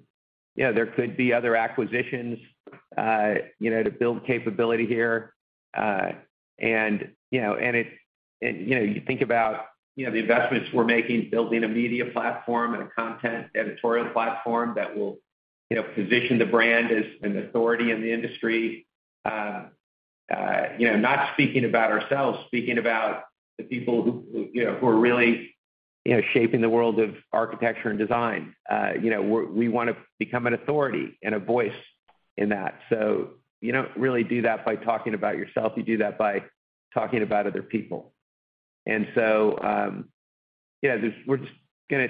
know, there could be other acquisitions, you know, to build capability here. You know, you think about, you know, the investments we're making building a media platform and a content editorial platform that will, you know, position the brand as an authority in the industry. You know, not speaking about ourselves, speaking about the people who, you know, who are really, you know, shaping the world of architecture and design. You know, we wanna become an authority and a voice in that. You don't really do that by talking about yourself. You do that by talking about other people. We're just gonna...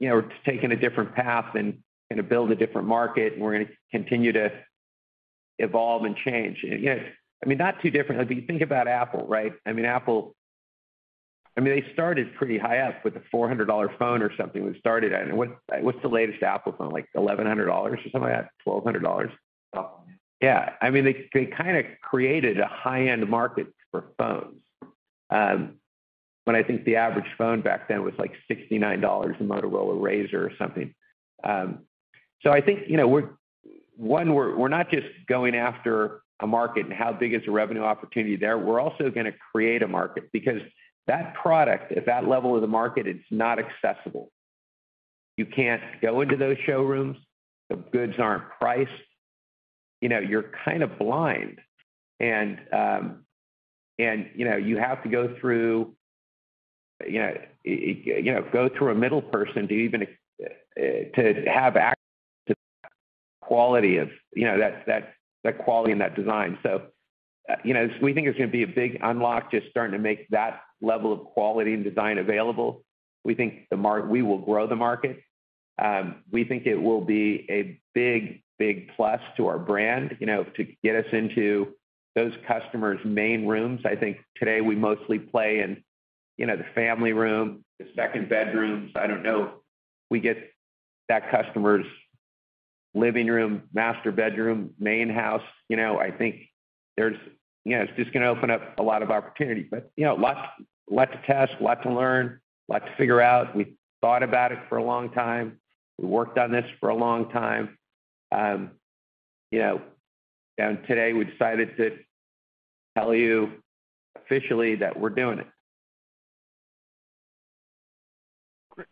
You know, we're taking a different path and gonna build a different market, and we're gonna continue to evolve and change. You know, I mean, not too different. If you think about Apple, right? I mean, Apple, I mean, they started pretty high up with a $400 phone or something, we started at. What's the latest Apple phone? Like $1,100 or something like that? $1,200. Yeah. I mean, they kinda created a high-end market for phones. When I think the average phone back then was, like, $69, a Motorola Razr or something. I think, you know, we're not just going after a market and how big is the revenue opportunity there. We're also gonna create a market because that product at that level of the market, it's not accessible. You can't go into those showrooms. The goods aren't priced. You know, you're kind of blind. You know, you have to go through, you know, go through a middle person to have access to quality of, you know, that quality and that design. You know, we think there's gonna be a big unlock just starting to make that level of quality and design available. We think we will grow the market. We think it will be a big plus to our brand, you know, to get us into those customers' main rooms. I think today we mostly play in, you know, the family room, the second bedrooms. I don't know, we get that customer's living room, master bedroom, main house. You know, it's just gonna open up a lot of opportunity. You know, lot to test, lot to learn, lot to figure out. We've thought about it for a long time. We worked on this for a long time. You know, and today we decided to tell you officially that we're doing it.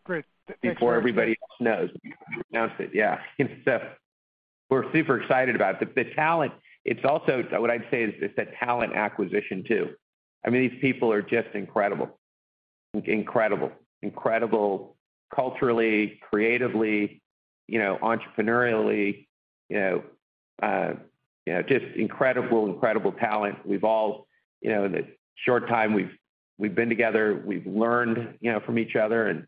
Great. Before everybody else knows. We announced it, yeah. We're super excited about it. The talent, it's also what I'd say is it's a talent acquisition too. I mean, these people are just incredible. Incredible. Incredible culturally, creatively, you know, entrepreneurially, you know, just incredible talent. We've all, you know, in the short time we've been together, we've learned, you know, from each other and,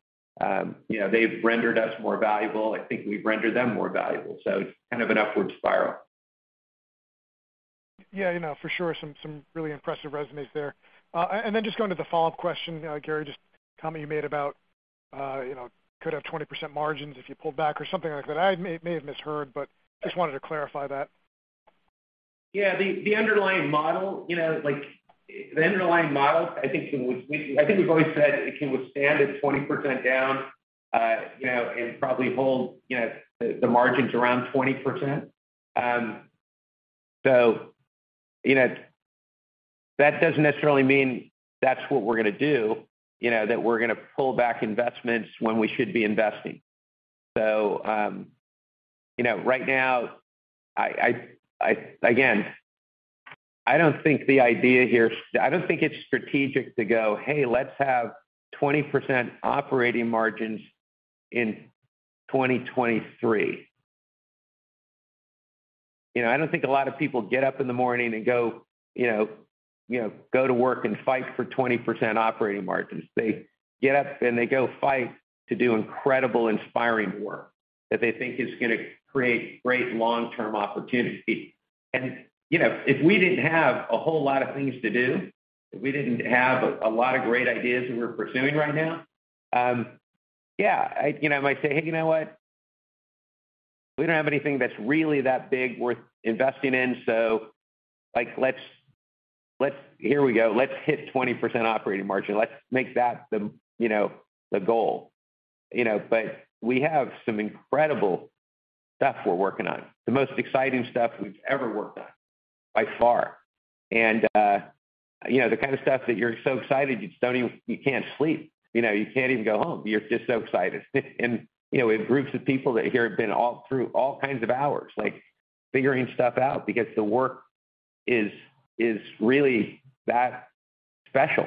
you know, they've rendered us more valuable. I think we've rendered them more valuable. It's kind of an upward spiral. You know, for sure. Some really impressive resumes there. Just going to the follow-up question, Gary, just the comment you made about, you know, could have 20% margins if you pull back or something like that. I may have misheard, but just wanted to clarify that. Yeah. The underlying model, you know, like the underlying model, I think we've always said it can withstand a 20% down, you know, and probably hold, you know, the margins around 20%. That doesn't necessarily mean that's what we're gonna do, you know, that we're gonna pull back investments when we should be investing. Right now, I, again, I don't think it's strategic to go, "Hey, let's have 20% operating margins in 2023." You know, I don't think a lot of people get up in the morning and go, you know, go to work and fight for 20% operating margins. They get up and they go fight to do incredible, inspiring work that they think is gonna create great long-term opportunity. You know, if we didn't have a whole lot of things to do, if we didn't have a lot of great ideas that we're pursuing right now, yeah, I, you know, I might say, "Hey, you know what? We don't have anything that's really that big worth investing in, so, like, Let's hit 20% operating margin. Let's make that the, you know, the goal." You know, we have some incredible stuff we're working on, the most exciting stuff we've ever worked on by far. You know, the kind of stuff that you're so excited you don't even... You can't sleep. You know, you can't even go home. You're just so excited. You know, we have groups of people that here have been all through all kinds of hours, like figuring stuff out because the work is really that special.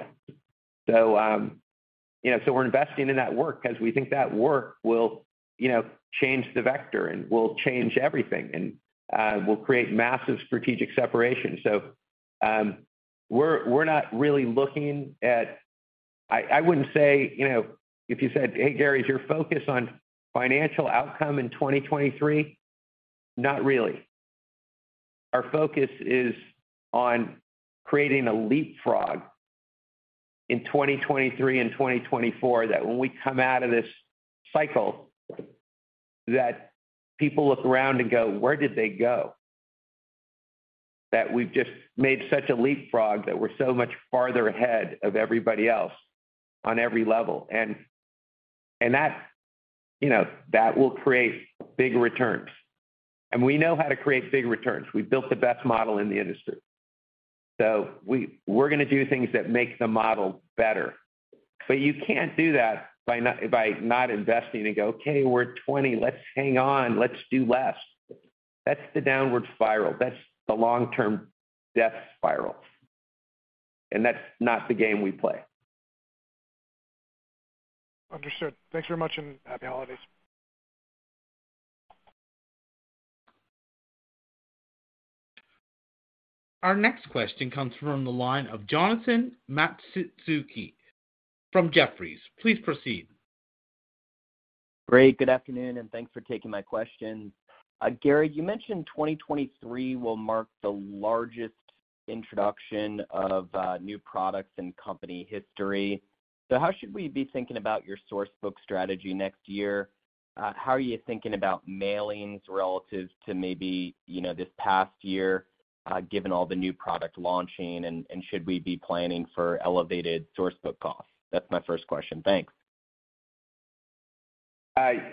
You know, so we're investing in that work 'cause we think that work will, you know, change the vector and will change everything and will create massive strategic separation. We're not really looking at... I wouldn't say, you know, if you said, "Hey, Gary, is your focus on financial outcome in 2023?" Not really. Our focus is on creating a leapfrog in 2023 and 2024 that when we come out of this cycle, that people look around and go, "Where did they go?" That we've just made such a leapfrog that we're so much farther ahead of everybody else on every level. That, you know, that will create big returns. We know how to create big returns. We've built the best model in the industry. We're gonna do things that make the model better. You can't do that by not investing and go, "Okay, we're at 20%. Let's hang on. Let's do less." That's the downward spiral. That's the long-term death spiral, and that's not the game we play. Understood. Thanks very much and Happy Holidays. Our next question comes from the line of Jonathan Matuszewski from Jefferies. Please proceed. Great. Good afternoon and thanks for taking my questions. Gary, you mentioned 2023 will mark the largest introduction of new products in company history. How should we be thinking about your source book strategy next year? How are you thinking about mailings relative to maybe, you know, this past year, given all the new product launching? Should we be planning for elevated source book costs? That's my first question. Thanks.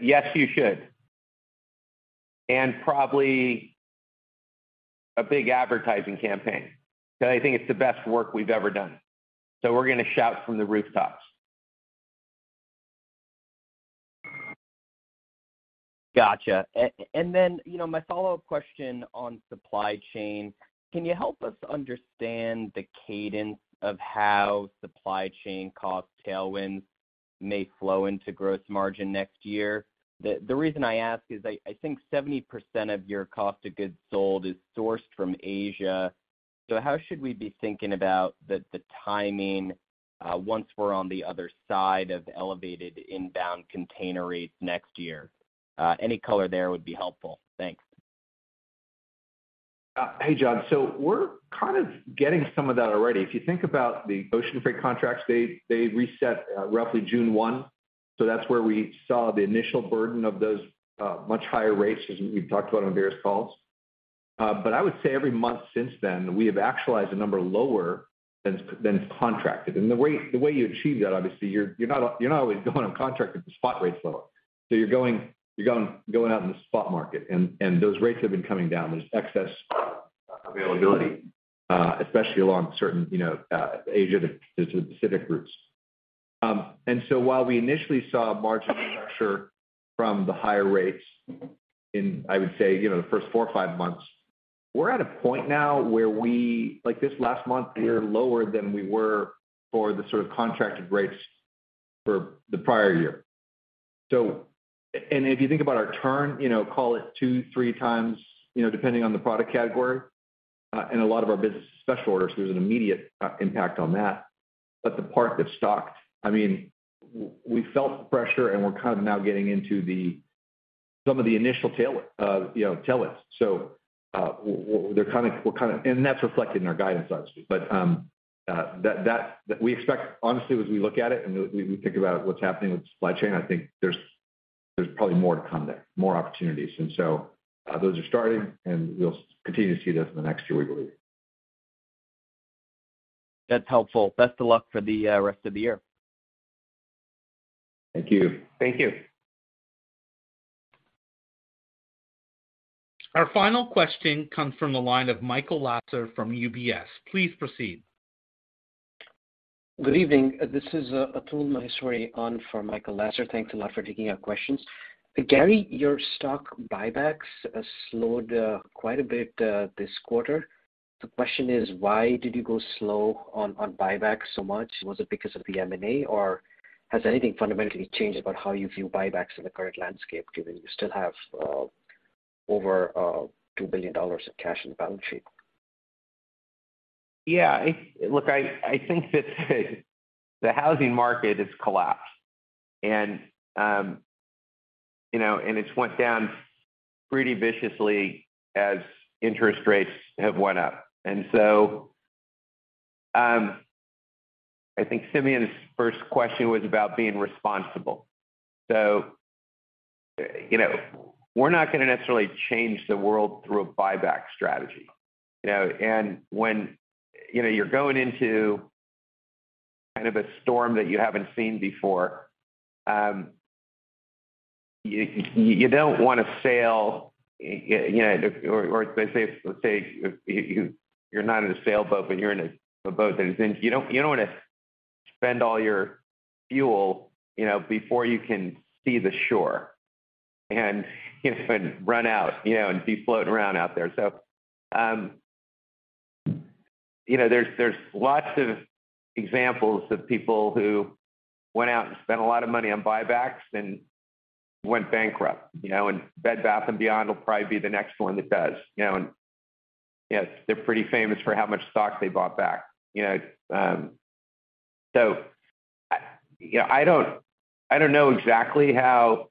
Yes, you should. Probably a big advertising campaign, 'cause I think it's the best work we've ever done. We're gonna shout from the rooftops. Gotcha. You know, my follow-up question on supply chain. Can you help us understand the cadence of how supply chain cost tailwinds may flow into gross margin next year? The reason I ask is I think 70% of your cost of goods sold is sourced from Asia. How should we be thinking about the timing once we're on the other side of elevated inbound container rates next year? Any color there would be helpful. Thanks. Hey, Jon. We're kind of getting some of that already. If you think about the ocean freight contracts, they reset roughly June 1, so that's where we saw the initial burden of those much higher rates as we've talked about on various calls. I would say every month since then we have actualized the number lower than it's contracted. The way you achieve that, obviously, you're not always going on contract if the spot rate's lower. You're going out in the spot market and those rates have been coming down. There's excess availability, especially along certain, you know, Asia to Pacific routes. While we initially saw margin pressure from the higher rates in I would say, you know, the first four or five months, we're at a point now where we. Like this last month we were lower than we were for the sort of contracted rates for the prior year. If you think about our turn, you know, call it 2x, 3x, you know, depending on the product category, and a lot of our business is special order, so there's an immediate impact on that. But the part that stocked, I mean, we felt the pressure, and we're kind of now getting into some of the initial tail, you know, tail ends. We're kinda. That's reflected in our guidance, obviously. We expect, honestly, as we look at it and we think about what's happening with supply chain, I think there's probably more to come there, more opportunities. Those are starting, and we'll continue to see this in the next year, we believe. That's helpful. Best of luck for the rest of the year. Thank you. Thank you. Our final question comes from the line of Michael Lasser from UBS. Please proceed. Good evening. This is Atul Maheshwari on for Michael Lasser. Thanks a lot for taking our questions. Gary, your stock buybacks has slowed quite a bit this quarter. The question is, why did you go slow on buybacks so much? Was it because of the M&A, or has anything fundamentally changed about how you view buybacks in the current landscape, given you still have over $2 billion of cash in the balance sheet? Yeah. Look, I think that the housing market has collapsed and, you know, and it's went down pretty viciously as interest rates have went up. I think Simeon's first question was about being responsible. You know, we're not gonna necessarily change the world through a buyback strategy, you know? When, you know, you're going into kind of a storm that you haven't seen before, you don't wanna sail, you know. Or they say, Let's say, you're not in a sailboat, but you're in a boat. You don't wanna spend all your fuel, you know, before you can see the shore, and, you know, and run out, you know, and be floating around out there. You know, there's lots of examples of people who went out and spent a lot of money on buybacks and went bankrupt, you know. Bed Bath & Beyond will probably be the next one that does, you know. You know, they're pretty famous for how much stock they bought back, you know? I, you know, I don't, I don't know exactly how,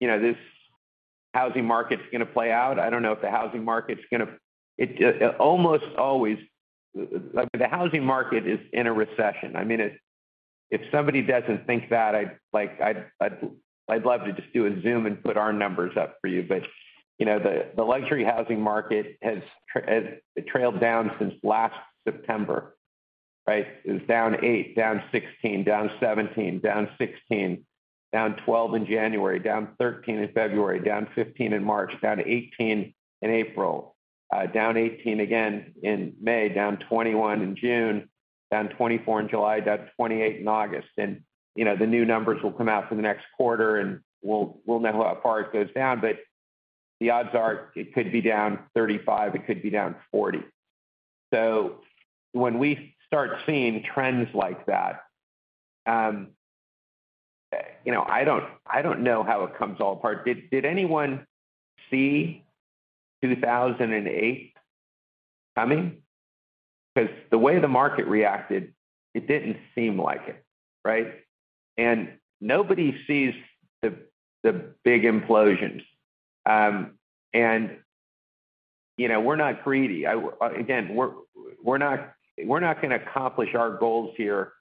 you know, this housing market's gonna play out. Like, the housing market is in a recession. I mean, if somebody doesn't think that, I'd love to just do a Zoom and put our numbers up for you. You know, the luxury housing market has trailed down since last September, right? It was down 8%, down 16%, down 17%, down 16%, down 12% in January, down 13% in February, down 15% in March, down 18% in April, down 18% again in May, down 21% in June, down 24% in July, down 28% in August. You know, the new numbers will come out for the next quarter, and we'll know how far it goes down. The odds are it could be down 35%, it could be down 40%. When we start seeing trends like that, you know, I don't know how it comes all apart. Did anyone see 2008 coming? 'Cause the way the market reacted, it didn't seem like it, right? Nobody sees the big implosions. You know, we're not greedy. Again, we're not gonna accomplish our goals here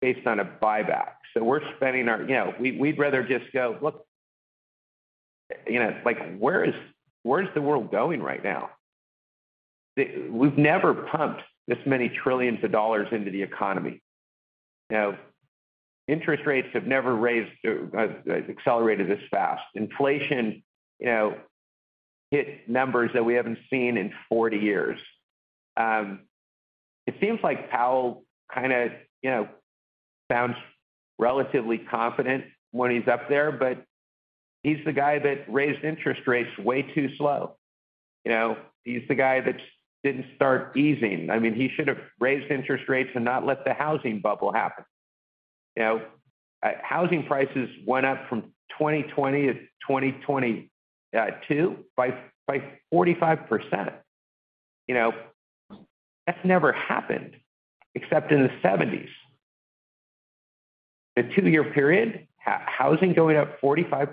based on a buyback. We're spending our... You know, we'd rather just go look. You know, like, where is the world going right now? We've never pumped this many trillions of dollars into the economy. You know, interest rates have never raised, accelerated this fast. Inflation, you know, hit numbers that we haven't seen in 40 years. It seems like Powell kinda, you know, sounds relatively confident when he's up there, but he's the guy that raised interest rates way too slow. You know? He's the guy that didn't start easing. I mean, he should have raised interest rates and not let the housing bubble happen. You know, housing prices went up from 2020 to 2022 by 45%. You know, that's never happened except in the 70s. The two-year period, housing going up 45%.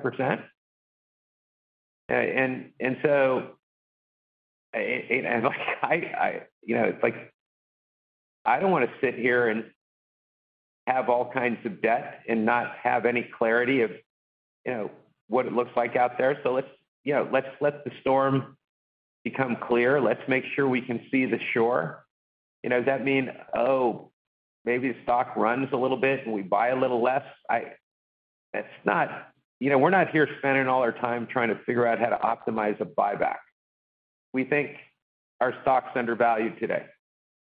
Like, I, you know, it's like, I don't wanna sit here and have all kinds of debt and not have any clarity of, you know, what it looks like out there. Let's, you know, let's let the storm become clear. Let's make sure we can see the shore. You know, does that mean, maybe the stock runs a little bit and we buy a little less? That's not, you know, we're not here spending all our time trying to figure out how to optimize a buyback. We think our stock's undervalued today.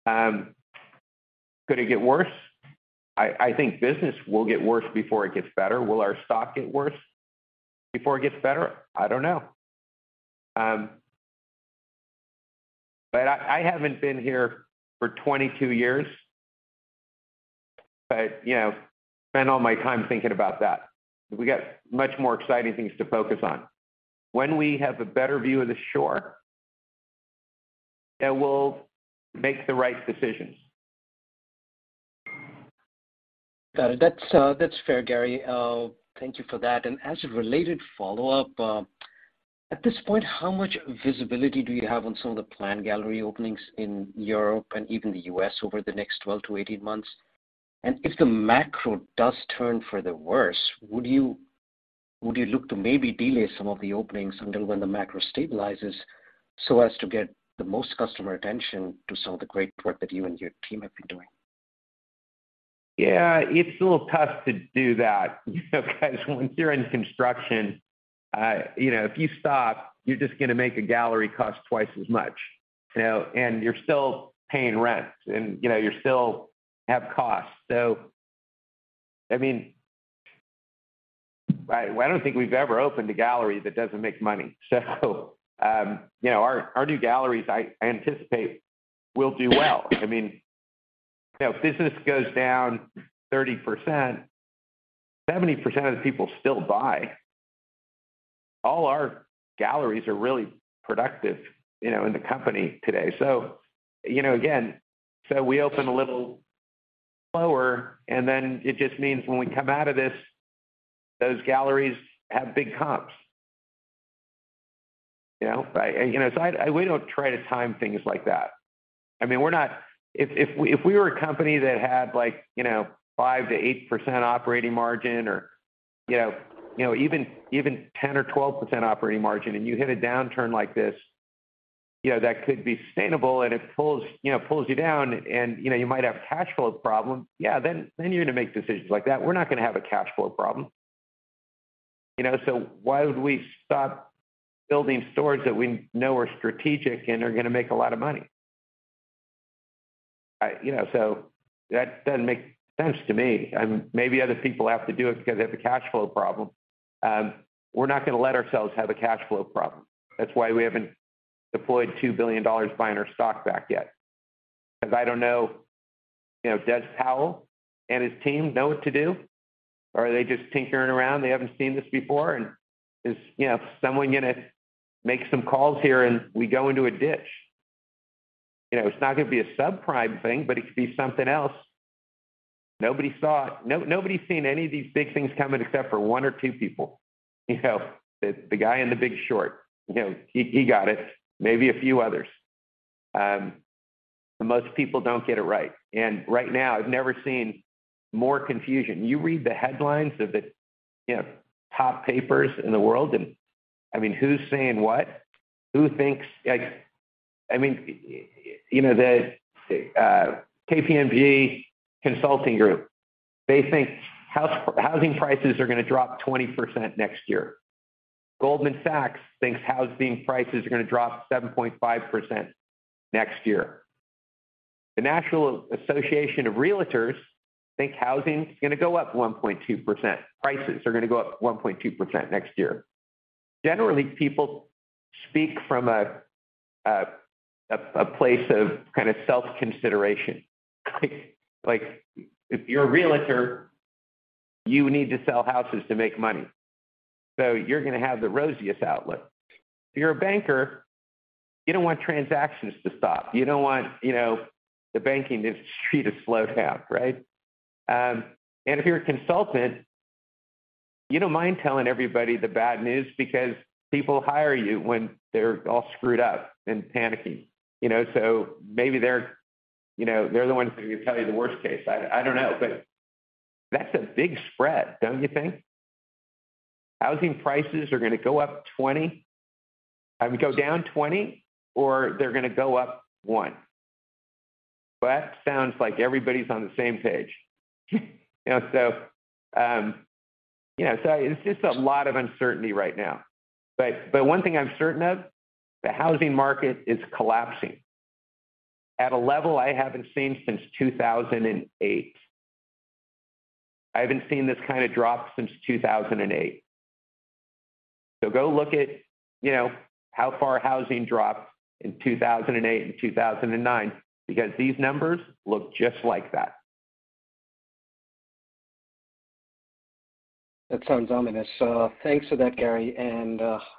Could it get worse? I think business will get worse before it gets better. Will our stock get worse before it gets better? I don't know. I haven't been here for 22 years, but, you know, spent all my time thinking about that. We got much more exciting things to focus on. When we have a better view of the shore, then we'll make the right decisions. Got it. That's, that's fair, Gary. Thank you for that. As a related follow-up, at this point, how much visibility do you have on some of the planned gallery openings in Europe and even the U.S. over the next 12-18 months? If the macro does turn for the worse, would you look to maybe delay some of the openings until when the macro stabilizes so as to get the most customer attention to some of the great work that you and your team have been doing? Yeah. It's a little tough to do that, you know, 'cause when you're in construction, you know, if you stop, you're just gonna make a gallery cost twice as much, you know. You're still paying rent and, you know, you still have costs. I mean... I don't think we've ever opened a gallery that doesn't make money, so. You know, our new galleries I anticipate will do well. I mean, you know, if business goes down 30%, 70% of the people still buy. All our galleries are really productive, you know, in the company today. You know, again, so we open a little lower, and then it just means when we come out of this, those galleries have big comps. You know? I... We don't try to time things like that. I mean, we're not... If we were a company that had like, you know, 5%-8% operating margin or, you know, even 10% or 12% operating margin and you hit a downturn like this, you know, that could be sustainable and it pulls, you know, pulls you down and, you know, you might have cash flow problems. Yeah. You're gonna make decisions like that. We're not gonna have a cash flow problem. You know? Why would we stop building stores that we know are strategic and are gonna make a lot of money? You know, that doesn't make sense to me. Maybe other people have to do it because they have a cash flow problem. We're not gonna let ourselves have a cash flow problem. That's why we haven't deployed $2 billion buying our stock back yet, 'cause I don't know. You know, does Powell and his team know what to do? Are they just tinkering around? They haven't seen this before? Is, you know, someone gonna make some calls here and we go into a ditch. You know, it's not gonna be a subprime thing, but it could be something else nobody saw. Nobody's seen any of these big things coming except for one or two people. You know, the guy in the big short. You know, he got it. Maybe a few others. Most people don't get it right. Right now I've never seen more confusion. You read the headlines of the, you know, top papers in the world and, I mean, who's saying what? Who thinks? Like, I mean, you know, the KPMG Consulting Group, they think housing prices are gonna drop 20% next year. Goldman Sachs thinks housing prices are gonna drop 7.5% next year. The National Association of Realtors think housing's gonna go up 1.2%. Prices are gonna go up 1.2% next year. Generally, people speak from a place of kind of self-consideration. Like if you're a realtor, you need to sell houses to make money, so you're gonna have the rosiest outlook. If you're a banker, you don't want transactions to stop. You don't want, you know, the banking industry to slow down, right? If you're a consultant, you don't mind telling everybody the bad news because people hire you when they're all screwed up and panicking. You know? Maybe they're, you know, they're the ones that are gonna tell you the worst case. I don't know. That's a big spread, don't you think? Housing prices are gonna go up 20% go down 20% or they're gonna go up 1%. Well, that sounds like everybody's on the same page. You know? You know, so it's just a lot of uncertainty right now. One thing I'm certain of, the housing market is collapsing at a level I haven't seen since 2008. I haven't seen this kind of drop since 2008. Go look at, you know, how far housing dropped in 2008 and 2009, because these numbers look just like that. That sounds ominous. Thanks for that, Gary.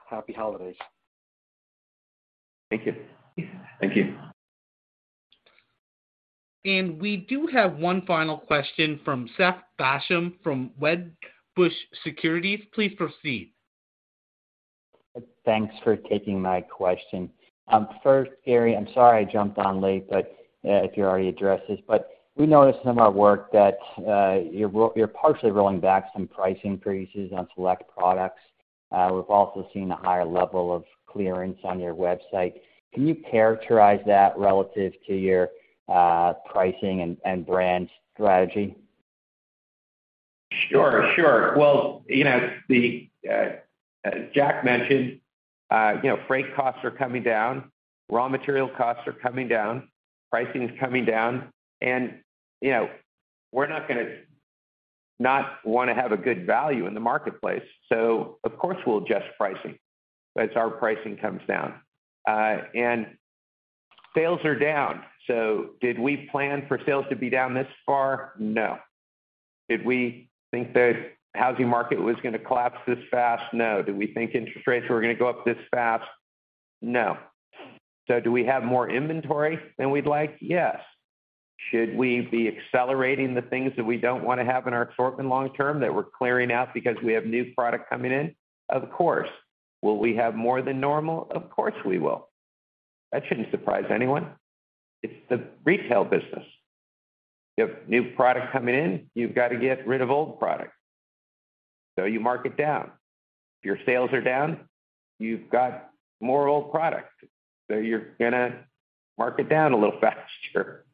Happy holidays. Thank you. Thank you. We do have one final question from Seth Basham from Wedbush Securities. Please proceed. Thanks for taking my question. First, Gary, I'm sorry I jumped on late, but if you already addressed this, but we noticed in our work that you're partially rolling back some price increases on select products. We've also seen a higher level of clearance on your website. Can you characterize that relative to your pricing and brand strategy? Sure, sure. Well, you know, the... as Jack mentioned, you know, freight costs are coming down, raw material costs are coming down, pricing is coming down, and, you know, we're not gonna want to have a good value in the marketplace. Of course, we'll adjust pricing as our pricing comes down. Sales are down. Did we plan for sales to be down this far? No. Did we think the housing market was going to collapse this fast? No. Did we think interest rates were going to go up this fast? No. Do we have more inventory than we'd like? Yes. Should we be accelerating the things that we don't want to have in our assortment long term that we're clearing out because we have new product coming in? Of course. Will we have more than normal? Of course, we will. That shouldn't surprise anyone. It's the retail business. You have new product coming in, you've got to get rid of old product. You mark it down. Your sales are down, you've got more old product. You're gonna mark it down a little faster.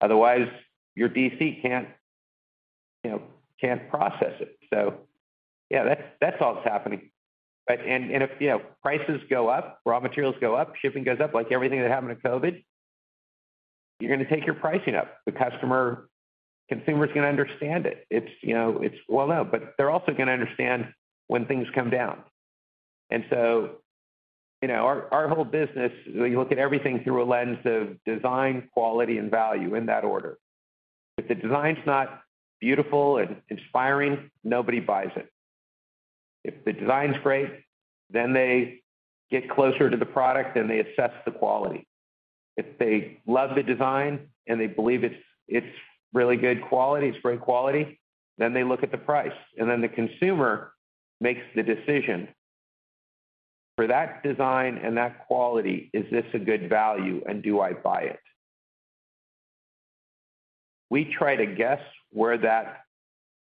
Otherwise, your DC can't, you know, can't process it. Yeah, that's all that's happening. And if, you know, prices go up, raw materials go up, shipping goes up, like everything that happened in COVID, you're going to take your pricing up. The consumer is going to understand it. It's, you know, it's well known, but they're also going to understand when things come down. You know, our whole business, we look at everything through a lens of design, quality, and value in that order. If the design is not beautiful and inspiring, nobody buys it. If the design is great, then they get closer to the product, and they assess the quality. If they love the design and they believe it's really good quality, it's great quality, then they look at the price. The consumer makes the decision. For that design and that quality, is this a good value, and do I buy it? We try to guess where that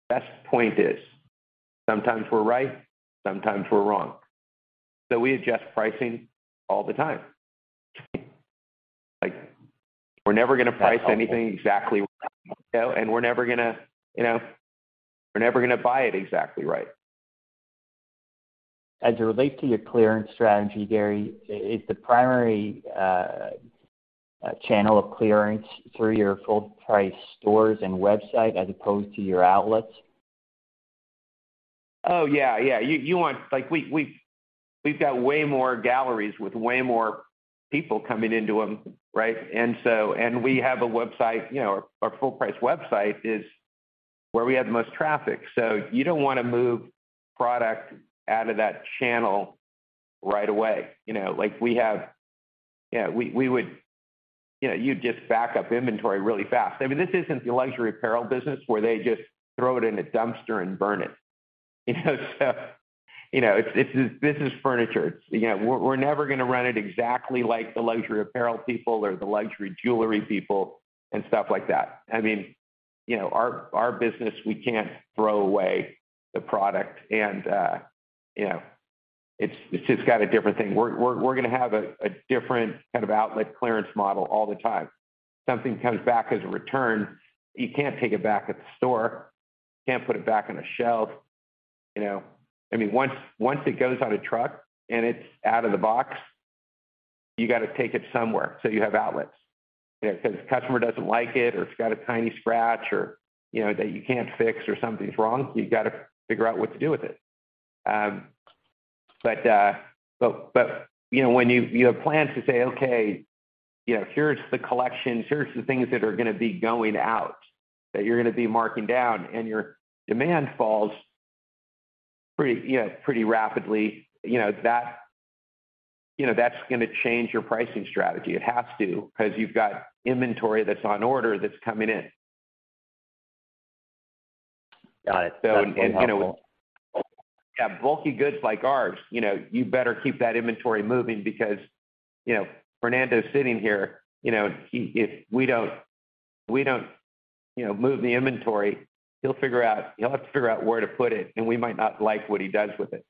best point is. Sometimes we're right, sometimes we're wrong. We adjust pricing all the time. Like, we're never gonna price anything exactly right. We're never gonna, you know, buy it exactly right. As it relates to your clearance strategy, Gary, is the primary channel of clearance through your full-price stores and website as opposed to your outlets? Yeah, yeah. You, like, we've got way more galleries with way more people coming into them, right? We have a website, you know, our full-price website is where we have the most traffic. You don't wanna move product out of that channel right away. You know. Yeah, we, you know, you'd just back up inventory really fast. I mean, this isn't the luxury apparel business where they just throw it in a dumpster and burn it. You know, so, you know, it's this is furniture. You know, we're never gonna run it exactly like the luxury apparel people or the luxury jewelry people and stuff like that. I mean, you know, our business, we can't throw away the product and, you know, it's just got a different thing. We're gonna have a different kind of outlet clearance model all the time. Something comes back as a return, you can't take it back at the store. You can't put it back on the shelf. You know, I mean, once it goes on a truck and it's out of the box, you gotta take it somewhere. You have outlets. You know, 'cause the customer doesn't like it or it's got a tiny scratch or, you know, that you can't fix or something's wrong, you've got to figure out what to do with it. You know, when you plan to say, "Okay, you know, here's the collection, here's the things that are gonna be going out, that you're gonna be marking down," and your demand falls pretty, you know, pretty rapidly, you know, that, you know, that's gonna change your pricing strategy. It has to, 'cause you've got inventory that's on order that's coming in. Got it. That's really helpful. Yeah, bulky goods like ours, you know, you better keep that inventory moving because, you know, Fernando's sitting here, you know, if we don't move the inventory, he'll have to figure out where to put it, and we might not like what he does with it.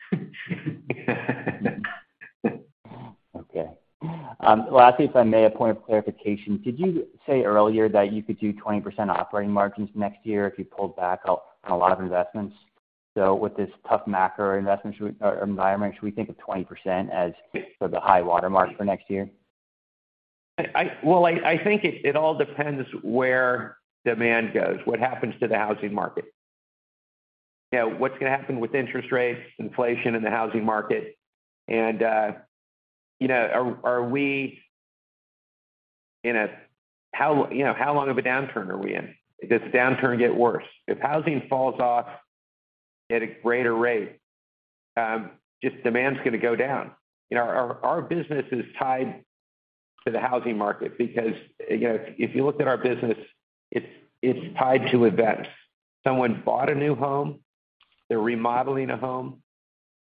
Okay. Lastly, if I may, a point of clarification. Did you say earlier that you could do 20% operating margins next year if you pulled back on a lot of investments? With this tough macro investment environment, should we think of 20% as the high-water mark for next year? Well, I think it all depends where demand goes, what happens to the housing market. You know, what's gonna happen with interest rates, inflation in the housing market, and, you know, how, you know, how long of a downturn are we in? Does the downturn get worse? If housing falls off at a greater rate, just demand's gonna go down. You know, our business is tied to the housing market because, you know, if you look at our business, it's tied to events. Someone bought a new home, they're remodeling a home,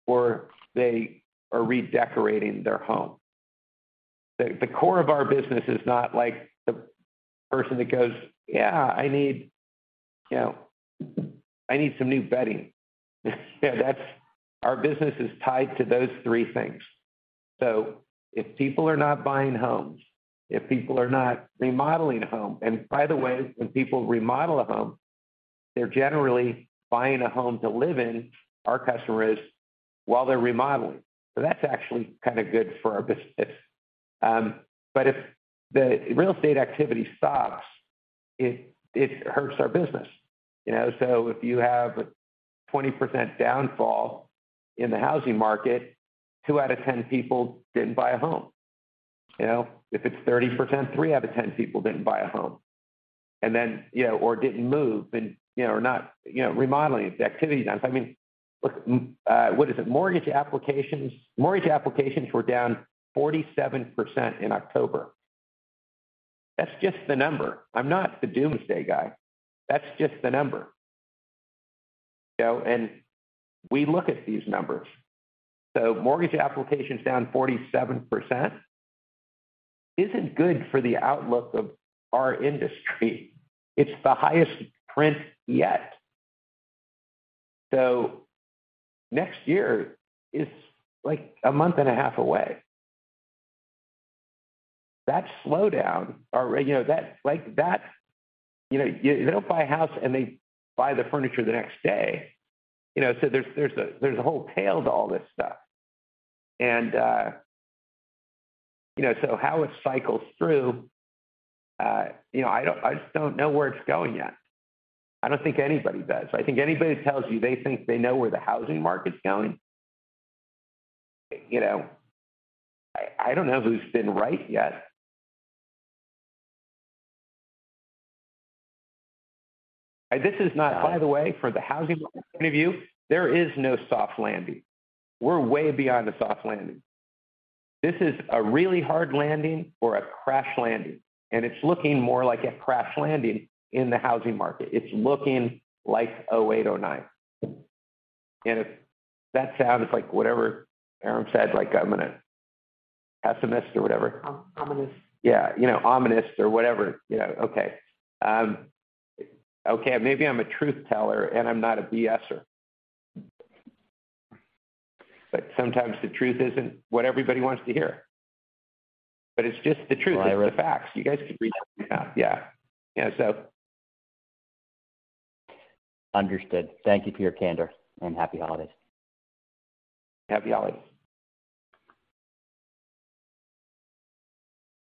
or they are redecorating their home. The core of our business is not like the person that goes, "Yeah, I need, you know, I need some new bedding." You know, that's. Our business is tied to those three things. If people are not buying homes, if people are not remodeling a home, and by the way, when people remodel a home, they're generally buying a home to live in, our customers, while they're remodeling. That's actually kind of good for our business. If the real estate activity stops, it hurts our business, you know. If you have a 20% downfall in the housing market, two out of 10 people didn't buy a home. You know, if it's 30%, three out of 10 people didn't buy a home. You know, or didn't move and, you know, are not, you know, remodeling. If the activity is down. I mean, look, what is it? Mortgage applications were down 47% in October. That's just the number. I'm not the doomsday guy. That's just the number. You know, we look at these numbers. Mortgage applications down 47% isn't good for the outlook of our industry. It's the highest print yet. Next year is, like, a month and a half away. That slowdown or, you know, like that, you know. You don't buy a house, and they buy the furniture the next day, you know. There's, there's a, there's a whole tail to all this stuff and, you know, so how it cycles through, you know, I don't, I just don't know where it's going yet. I don't think anybody does. I think anybody tells you they think they know where the housing market's going. You know, I don't know who's been right yet. This is not by the way, for the housing market point of view, there is no soft landing. We're way beyond a soft landing. This is a really hard landing or a crash landing, and it's looking more like a crash landing in the housing market. It's looking like 2008, 2009. If that sounds like whatever Atul said, like I'm gonna... Pessimist or whatever. O-ominous. Yeah, you know, ominous or whatever, you know. Okay. Okay, maybe I'm a truth teller, and I'm not a BS-er. Sometimes the truth isn't what everybody wants to hear. It's just the truth. Well. It's the facts. You guys can read. Yeah. Yeah. Understood. Thank you for your candor. Happy Holidays. Happy Holidays.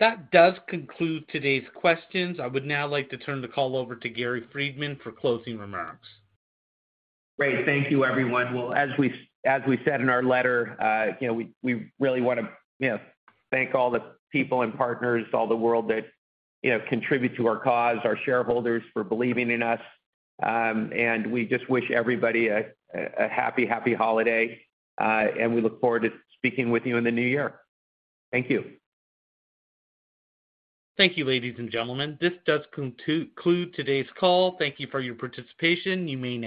That does conclude today's questions. I would now like to turn the call over to Gary Friedman for closing remarks. Great. Thank you, everyone. As we said in our letter, you know, we really wanna, you know, thank all the people and partners, all the world that, you know, contribute to our cause, our shareholders for believing in us. We just wish everybody a happy holiday. We look forward to speaking with you in the new year. Thank you. Thank you, ladies and gentlemen. This does conclude today's call. Thank you for your participation. You may now disconnect.